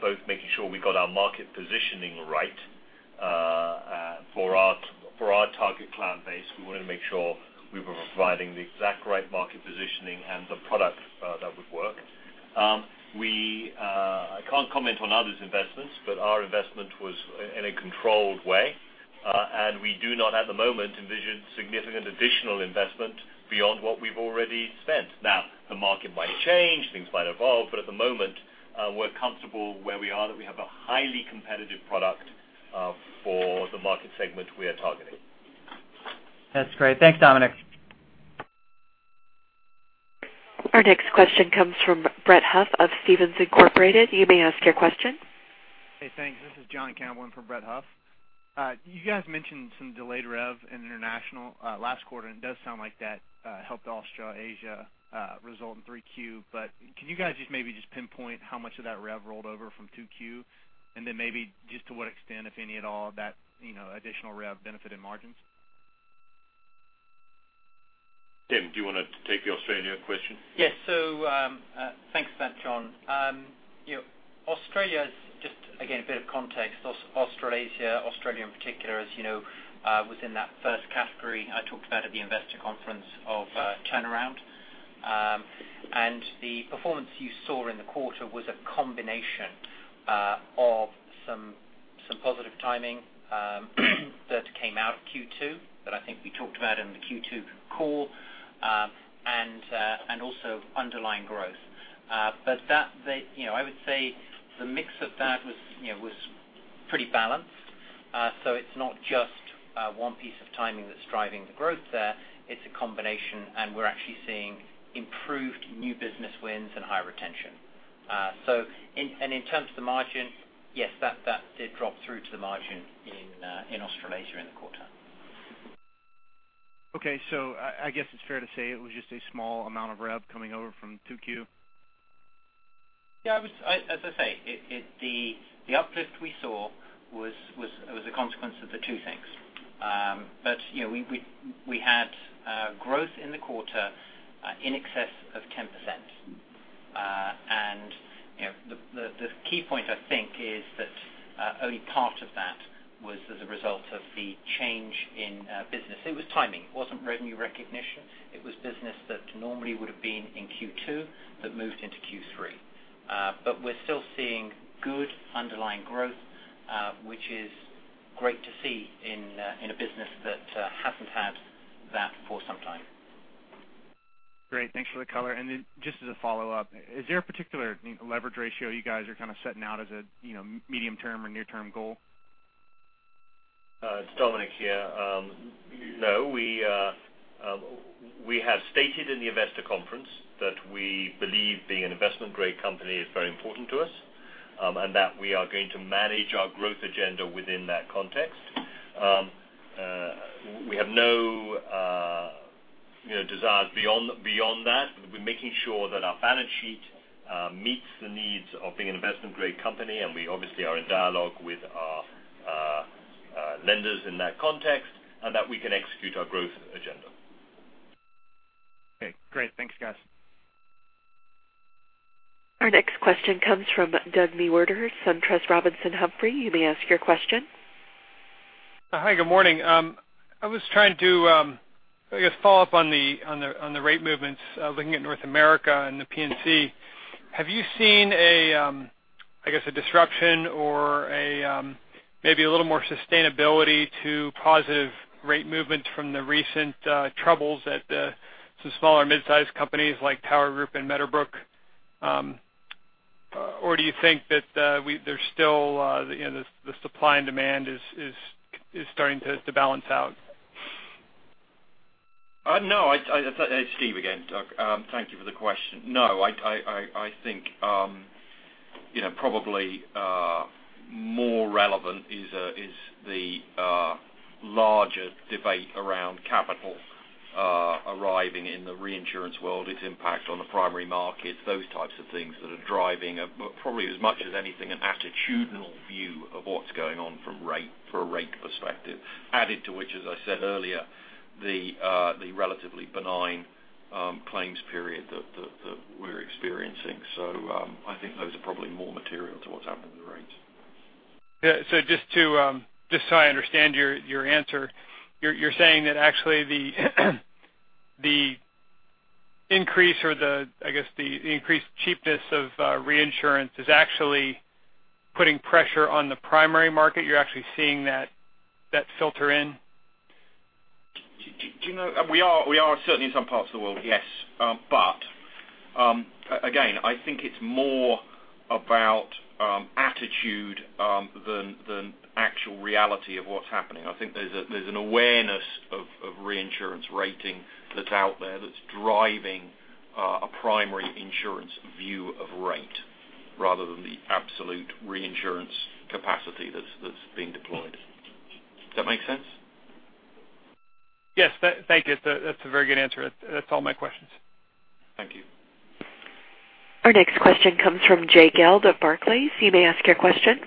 both making sure we got our market positioning right for our target client base. We wanted to make sure we were providing the exact right market positioning and the product that would work. I can't comment on others' investments, our investment was in a controlled way. We do not, at the moment, envision significant additional investment beyond what we've already spent. The market might change, things might evolve, at the moment, we're comfortable where we are, that we have a highly competitive product for the market segment we are targeting. That's great. Thanks, Dominic. Our next question comes from Brett Huff of Stephens Inc.. You may ask your question. Thanks. This is John Campbell in for Brett Huff. You guys mentioned some delayed rev in international last quarter, it does sound like that helped Australasia result in 3Q. Can you guys maybe just pinpoint how much of that rev rolled over from 2Q? Maybe to what extent, if any at all, that additional rev benefited margins? Tim, do you want to take the Australia question? Yes. Thanks for that, John. Australia is just, again, a bit of context. Australasia, Australia in particular, as you know, was in that first category I talked about at the investor conference of turnaround. The performance you saw in the quarter was a combination of some positive timing that came out of Q2, that I think we talked about in the Q2 call, and also underlying growth. I would say the mix of that was pretty balanced. It's not just one piece of timing that's driving the growth there. It's a combination, and we're actually seeing improved new business wins and high retention. In terms of the margin, yes, that did drop through to the margin in Australasia in the quarter. Okay. I guess it's fair to say it was just a small amount of rev coming over from 2Q. Yeah. As I say, the uplift we saw was a consequence of the two things. We had growth in the quarter in excess of 10%. The key point I think is that only part of that was as a result of the change in business. It was timing. It wasn't revenue recognition. It was business that normally would have been in Q2 that moved into Q3. We're still seeing good underlying growth, which is great to see in a business that hasn't had that for some time. Great. Thanks for the color. Just as a follow-up, is there a particular leverage ratio you guys are kind of setting out as a medium term or near term goal? It's Dominic here. No. We have stated in the investor conference that we believe being an investment grade company is very important to us. We are going to manage our growth agenda within that context. We have no desires beyond that. We're making sure that our balance sheet meets the needs of being an investment grade company. We obviously are in dialogue with our lenders in that context, that we can execute our growth agenda. Okay, great. Thanks, guys. Our next question comes from Douglas Mewhirter, SunTrust Robinson Humphrey. You may ask your question. Hi, good morning. I was trying to, I guess, follow up on the rate movements. Looking at North America and the P&C, have you seen, I guess, a disruption or maybe a little more sustainability to positive rate movements from the recent troubles at some small or midsize companies like Tower Group and Meadowbrook? Do you think that the supply and demand is starting to balance out? No. It's Steve again, Doug. Thank you for the question. I think probably more relevant is the larger debate around capital arriving in the reinsurance world, its impact on the primary markets, those types of things that are driving, probably as much as anything, an attitudinal view of what's going on from a rate perspective. Added to which, as I said earlier, the relatively benign claims period experiencing. I think those are probably more material to what's happening with the rates. Yeah. Just so I understand your answer, you're saying that actually the increase or the increased cheapness of reinsurance is actually putting pressure on the primary market. You're actually seeing that filter in? We are certainly in some parts of the world, yes. Again, I think it's more about attitude than actual reality of what's happening. I think there's an awareness of reinsurance rating that's out there that's driving a primary insurance view of rate rather than the absolute reinsurance capacity that's being deployed. Does that make sense? Yes. Thank you. That's a very good answer. That's all my questions. Thank you. Our next question comes from Jay Gelb of Barclays. You may ask your question.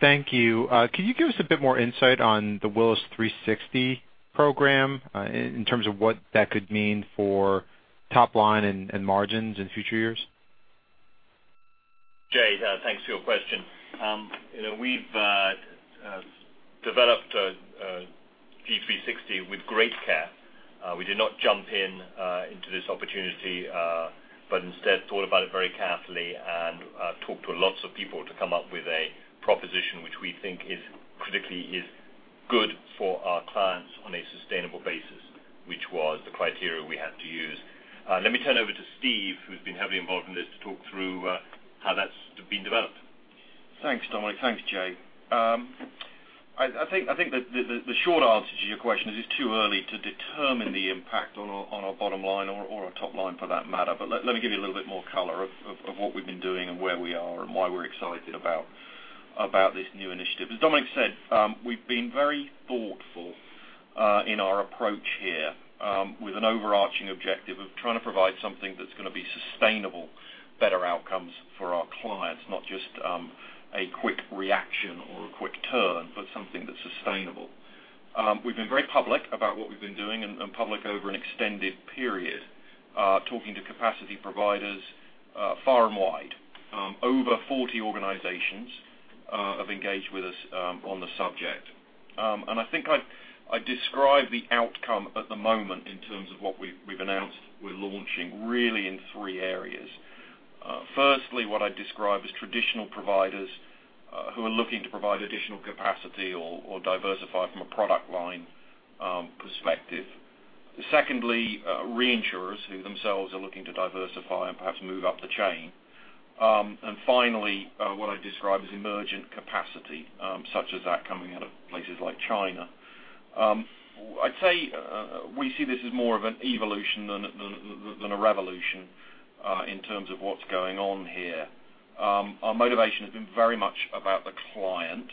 Thank you. Could you give us a bit more insight on the Willis G360 Program, in terms of what that could mean for top line and margins in future years? Jay, thanks for your question. We've developed G360 with great care. We did not jump into this opportunity, but instead thought about it very carefully and talked to lots of people to come up with a proposition which we think critically is good for our clients on a sustainable basis, which was the criteria we had to use. Let me turn over to Steve, who's been heavily involved in this, to talk through how that's been developed. Thanks, Dominic. Thanks, Jay. I think the short answer to your question is it's too early to determine the impact on our bottom line or our top line for that matter, let me give you a little bit more color of what we've been doing and where we are and why we're excited about this new initiative. As Dominic said, we've been very thoughtful in our approach here with an overarching objective of trying to provide something that's going to be sustainable, better outcomes for our clients, not just a quick reaction or a quick turn, but something that's sustainable. We've been very public about what we've been doing, and public over an extended period, talking to capacity providers far and wide. Over 40 organizations have engaged with us on the subject. I think I'd describe the outcome at the moment in terms of what we've announced we're launching really in three areas. Firstly, what I describe as traditional providers who are looking to provide additional capacity or diversify from a product line perspective. Secondly, reinsurers who themselves are looking to diversify and perhaps move up the chain. Finally, what I describe as emergent capacity, such as that coming out of places like China. I'd say we see this as more of an evolution than a revolution in terms of what's going on here. Our motivation has been very much about the client.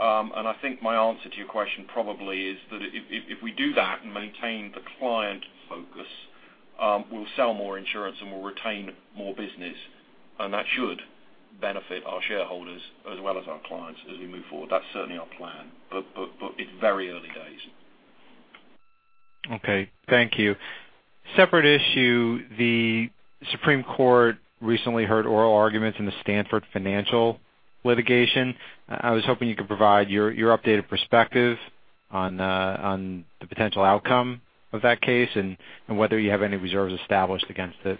I think my answer to your question probably is that if we do that and maintain the client focus, we'll sell more insurance and we'll retain more business, and that should benefit our shareholders as well as our clients as we move forward. That's certainly our plan. It's very early days. Okay. Thank you. Separate issue, the Supreme Court recently heard oral arguments in the Stanford Financial litigation. I was hoping you could provide your updated perspective on the potential outcome of that case and whether you have any reserves established against it.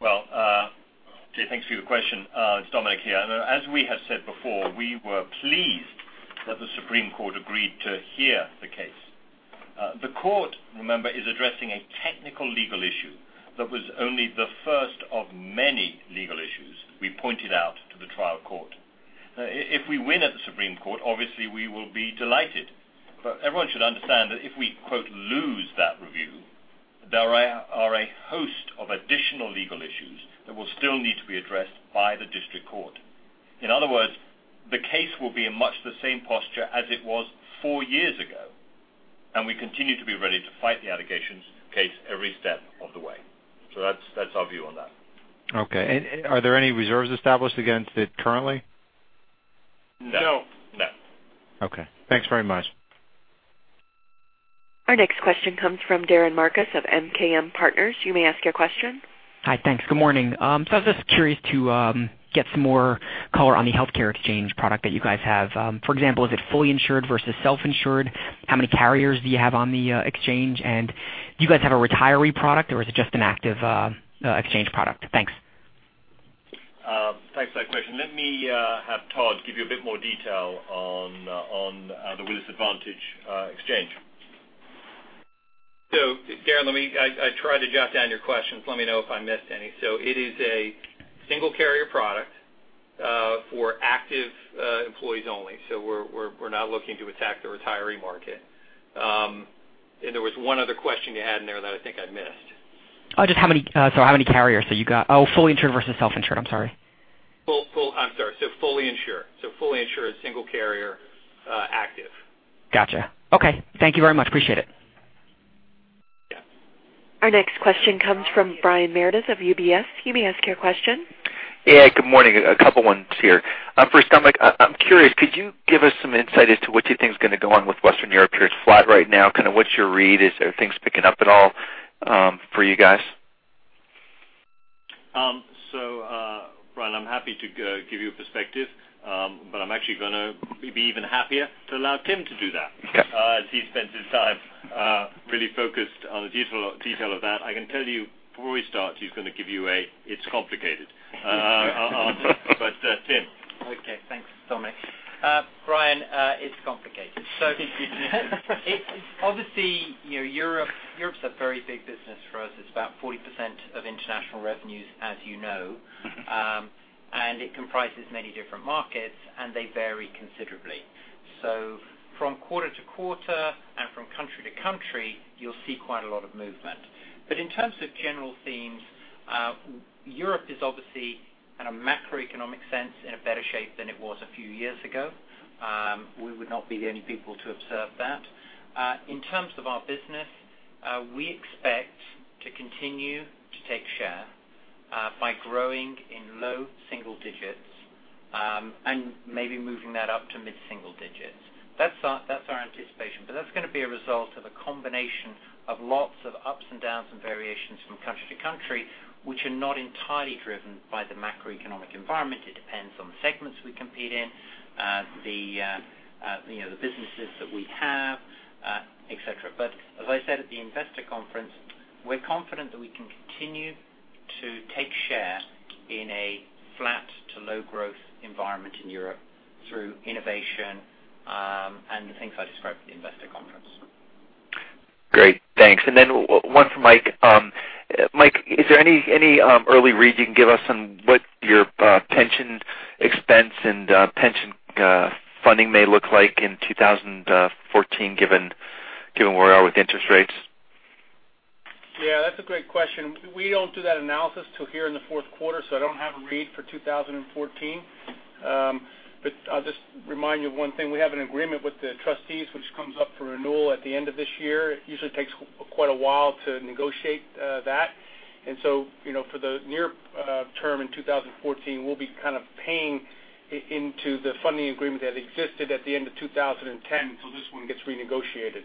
Well, Jay, thanks for your question. It's Dominic here. As we have said before, we were pleased that the Supreme Court agreed to hear the case. The Court, remember, is addressing a technical legal issue that was only the first of many legal issues we pointed out to the trial court. If we win at the Supreme Court, obviously we will be delighted. Everyone should understand that if we "lose" that review, there are a host of additional legal issues that will still need to be addressed by the district court. In other words, the case will be in much the same posture as it was four years ago, and we continue to be ready to fight the allegations case every step of the way. That's our view on that. Okay. Are there any reserves established against it currently? No. No. No. Okay. Thanks very much. Our next question comes from Darren Marcus of MKM Partners. You may ask your question. Hi. Thanks. Good morning. I was just curious to get some more color on the healthcare exchange product that you guys have. For example, is it fully insured versus self-insured? How many carriers do you have on the exchange? Do you guys have a retiree product, or is it just an active exchange product? Thanks. Thanks for that question. Let me have Todd give you a bit more detail on the Willis Advantage exchange. Darren, I tried to jot down your questions. Let me know if I missed any. It is a single carrier product for active employees only. We're not looking to attack the retiree market. There was one other question you had in there that I think I missed. Oh, just how many carriers that you got. Oh, fully insured versus self-insured. I'm sorry. I'm sorry. Fully insured. Fully insured, single carrier, active. Got you. Okay. Thank you very much. Appreciate it. Yeah. Our next question comes from Brian Meredith of UBS. You may ask your question. Good morning. A couple ones here. First, Dominic, I'm curious, could you give us some insight as to what you think is going to go on with Western Europe? It's flat right now. What's your read? Are things picking up at all for you guys? Brian, I'm happy to give you a perspective, but I'm actually going to be even happier to allow Tim to do that. Yeah. As he spends his time really focused on the detail of that. I can tell you, before we start, he's going to give you a, "It's complicated," answer. Tim. Okay. Thanks, Dominic. Brian, it's complicated. Obviously, Europe's a very big business for us. It's about 40% of international revenues, as you know. It comprises many different markets, and they vary considerably. From quarter to quarter and from country to country, you'll see quite a lot of movement. In terms of general themes, Europe is obviously, in a macroeconomic sense, in a better shape than it was a few years ago. We would not be the only people to observe that. In terms of our business, we expect to continue to take share by growing in low single digits, and maybe moving that up to mid-single digits. That's our anticipation. That's going to be a result of a combination of lots of ups and downs and variations from country to country, which are not entirely driven by the macroeconomic environment. It depends on the segments we compete in, the businesses that we have, et cetera. As I said at the investor conference, we're confident that we can continue to take share in a flat to low growth environment in Europe through innovation, and the things I described at the investor conference. Great, thanks. One for Mike. Mike, is there any early read you can give us on what your pension expense and pension funding may look like in 2014 given where we are with interest rates? That's a great question. We don't do that analysis till here in the fourth quarter, I don't have a read for 2014. I'll just remind you of one thing. We have an agreement with the trustees, which comes up for renewal at the end of this year. It usually takes quite a while to negotiate that. For the near term in 2014, we'll be kind of paying into the funding agreement that existed at the end of 2010 until this one gets renegotiated.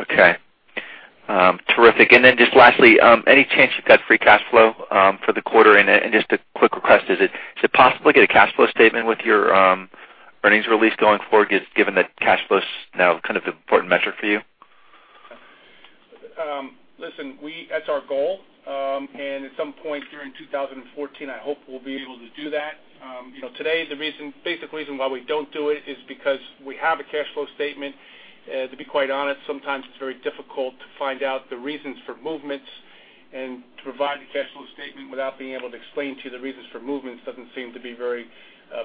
Okay. Terrific. Just lastly, any chance you've got free cash flow for the quarter? Just a quick request, is it possible to get a cash flow statement with your earnings release going forward, given that cash flow's now kind of an important metric for you? Listen, that's our goal. At some point during 2014, I hope we'll be able to do that. Today, the basic reason why we don't do it is because we have a cash flow statement. To be quite honest, sometimes it's very difficult to find out the reasons for movements and to provide the cash flow statement without being able to explain to the reasons for movements doesn't seem to be very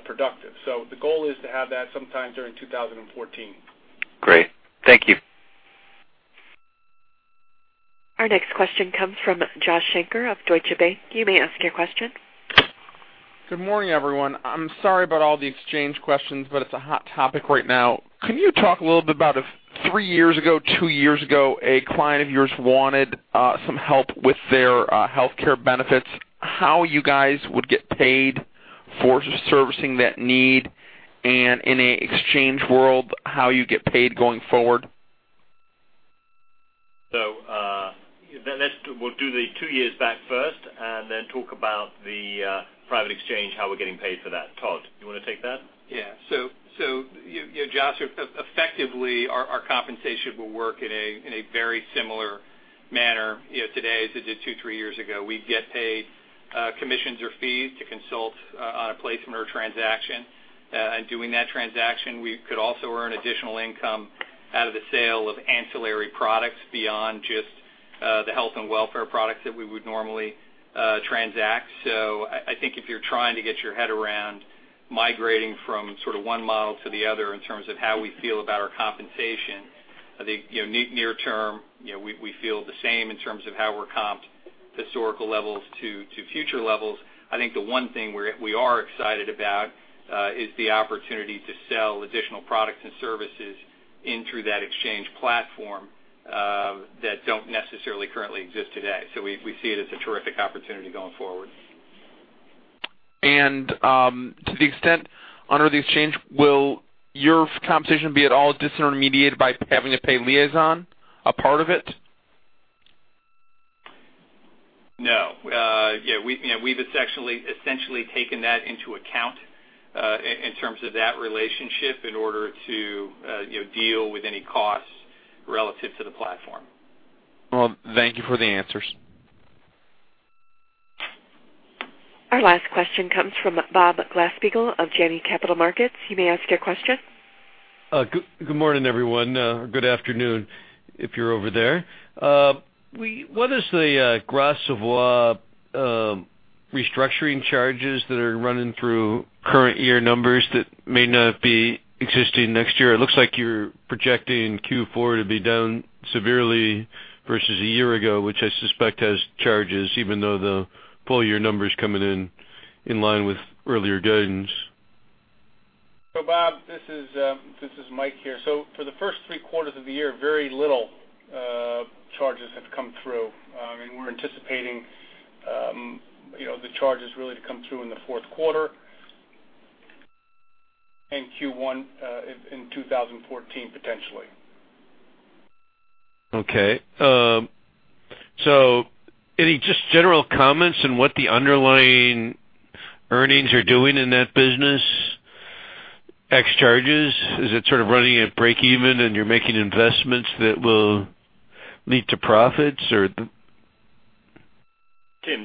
productive. The goal is to have that sometime during 2014. Great. Thank you. Our next question comes from Joshua Shanker of Deutsche Bank. You may ask your question. Good morning, everyone. I'm sorry about all the exchange questions. It's a hot topic right now. Can you talk a little bit about if three years ago, two years ago, a client of yours wanted some help with their healthcare benefits, how you guys would get paid for servicing that need, and in an exchange world, how you get paid going forward? We'll do the two years back first, and then talk about the private exchange, how we're getting paid for that. Todd, you want to take that? Yeah. Josh, effectively, our compensation will work in a very similar manner today as it did two, three years ago. We'd get paid commissions or fees to consult on a placement or transaction. In doing that transaction, we could also earn additional income out of the sale of ancillary products beyond just the health and welfare products that we would normally transact. I think if you're trying to get your head around migrating from sort of one model to the other in terms of how we feel about our compensation, I think near term, we feel the same in terms of how we're comped historical levels to future levels. I think the one thing we are excited about is the opportunity to sell additional products and services in through that exchange platform, that don't necessarily currently exist today. We see it as a terrific opportunity going forward. To the extent under the exchange, will your compensation be at all disintermediated by having to pay Liazon a part of it? No. We've essentially taken that into account, in terms of that relationship in order to deal with any costs relative to the platform. Well, thank you for the answers. Our last question comes from Bob Glasspiegel of Janney Capital Markets. You may ask your question. Good morning, everyone, or good afternoon if you're over there. What is the gross of restructuring charges that are running through current year numbers that may not be existing next year? It looks like you're projecting Q4 to be down severely versus a year ago, which I suspect has charges, even though the full year numbers coming in line with earlier guidance. Bob, this is Mike here. For the first three quarters of the year, very little charges have come through. We're anticipating the charges really to come through in the fourth quarter and Q1 in 2014, potentially. Okay. Any just general comments on what the underlying earnings are doing in that business? X charges, is it sort of running at breakeven and you're making investments that will lead to profits or Tim,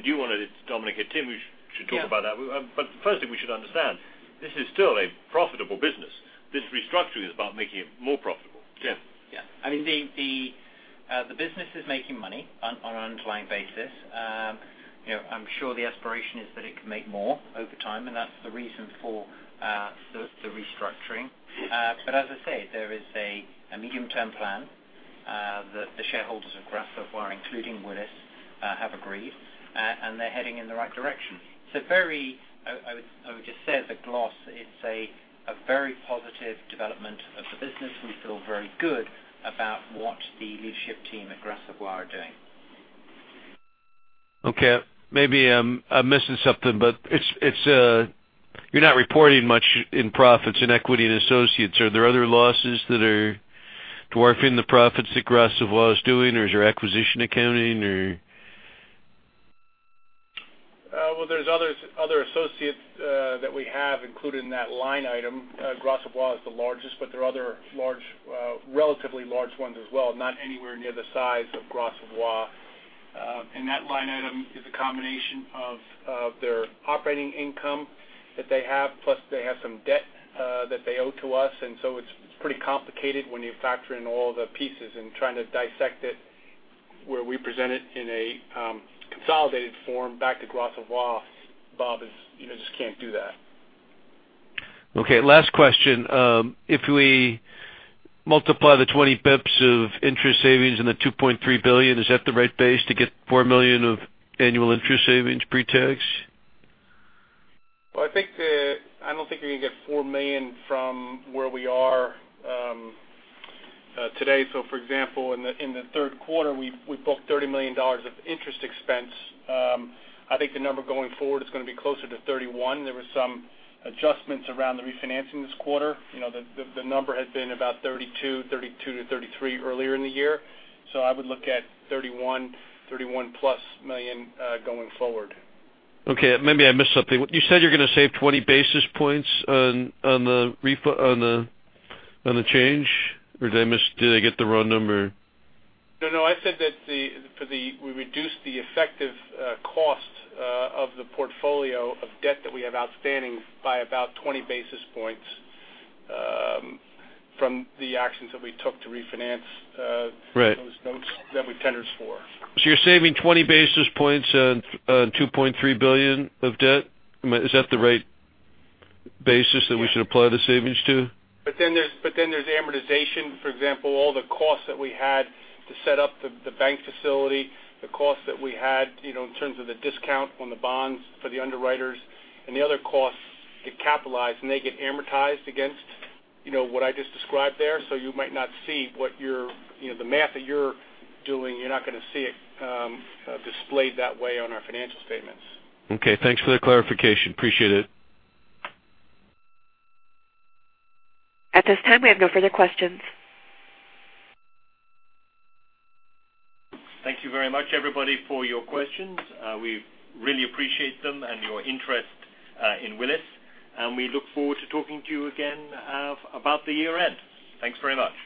do you want to [jump in] here? Tim, you should talk about that. Yeah. Firstly, we should understand, this is still a profitable business. This restructuring is about making it more profitable. Yeah. The business is making money on an underlying basis. That's the reason for the restructuring. As I say, there is a medium-term plan that the shareholders of Gras Savoye, including Willis, have agreed, and they're heading in the right direction. I would just say at the gloss, it's a very positive development of the business. We feel very good about what the leadership team at Gras Savoye are doing. Okay. You're not reporting much in profits in equity and associates. Are there other losses that are dwarfing the profits that Gras Savoye is doing, or is there acquisition accounting or? Well, there's other associates that we have included in that line item. Gras Savoye is the largest. There are other relatively large ones as well, not anywhere near the size of Gras Savoye. That line item is a combination of their operating income that they have, plus they have some debt that they owe to us. It's pretty complicated when you factor in all the pieces and trying to dissect it where we present it in a consolidated form back to Gras Savoye. Bob, you just can't do that. Okay, last question. If we multiply the 20 basis points of interest savings and the $2.3 billion, is that the right base to get $4 million of annual interest savings pre-tax? I don't think you're going to get $4 million from where we are today. For example, in the third quarter, we booked $30 million of interest expense. I think the number going forward is going to be closer to 31. There were some adjustments around the refinancing this quarter. The number had been about 32-33 earlier in the year. I would look at 31+ million going forward. Okay. Maybe I missed something. You said you're going to save 20 basis points on the change, or did I get the wrong number? No, I said that we reduced the effective cost of the portfolio of debt that we have outstanding by about 20 basis points from the actions that we took to refinance- Right those notes that we tendered for. You're saving 20 basis points on $2.3 billion of debt. Is that the right basis that we should apply the savings to? There's amortization, for example, all the costs that we had to set up the bank facility, the costs that we had in terms of the discount on the bonds for the underwriters and the other costs get capitalized, and they get amortized against what I just described there. You might not see the math that you're doing. You're not going to see it displayed that way on our financial statements. Okay. Thanks for the clarification. Appreciate it. At this time, we have no further questions. Thank you very much, everybody, for your questions. We really appreciate them and your interest in Willis, and we look forward to talking to you again about the year-end. Thanks very much.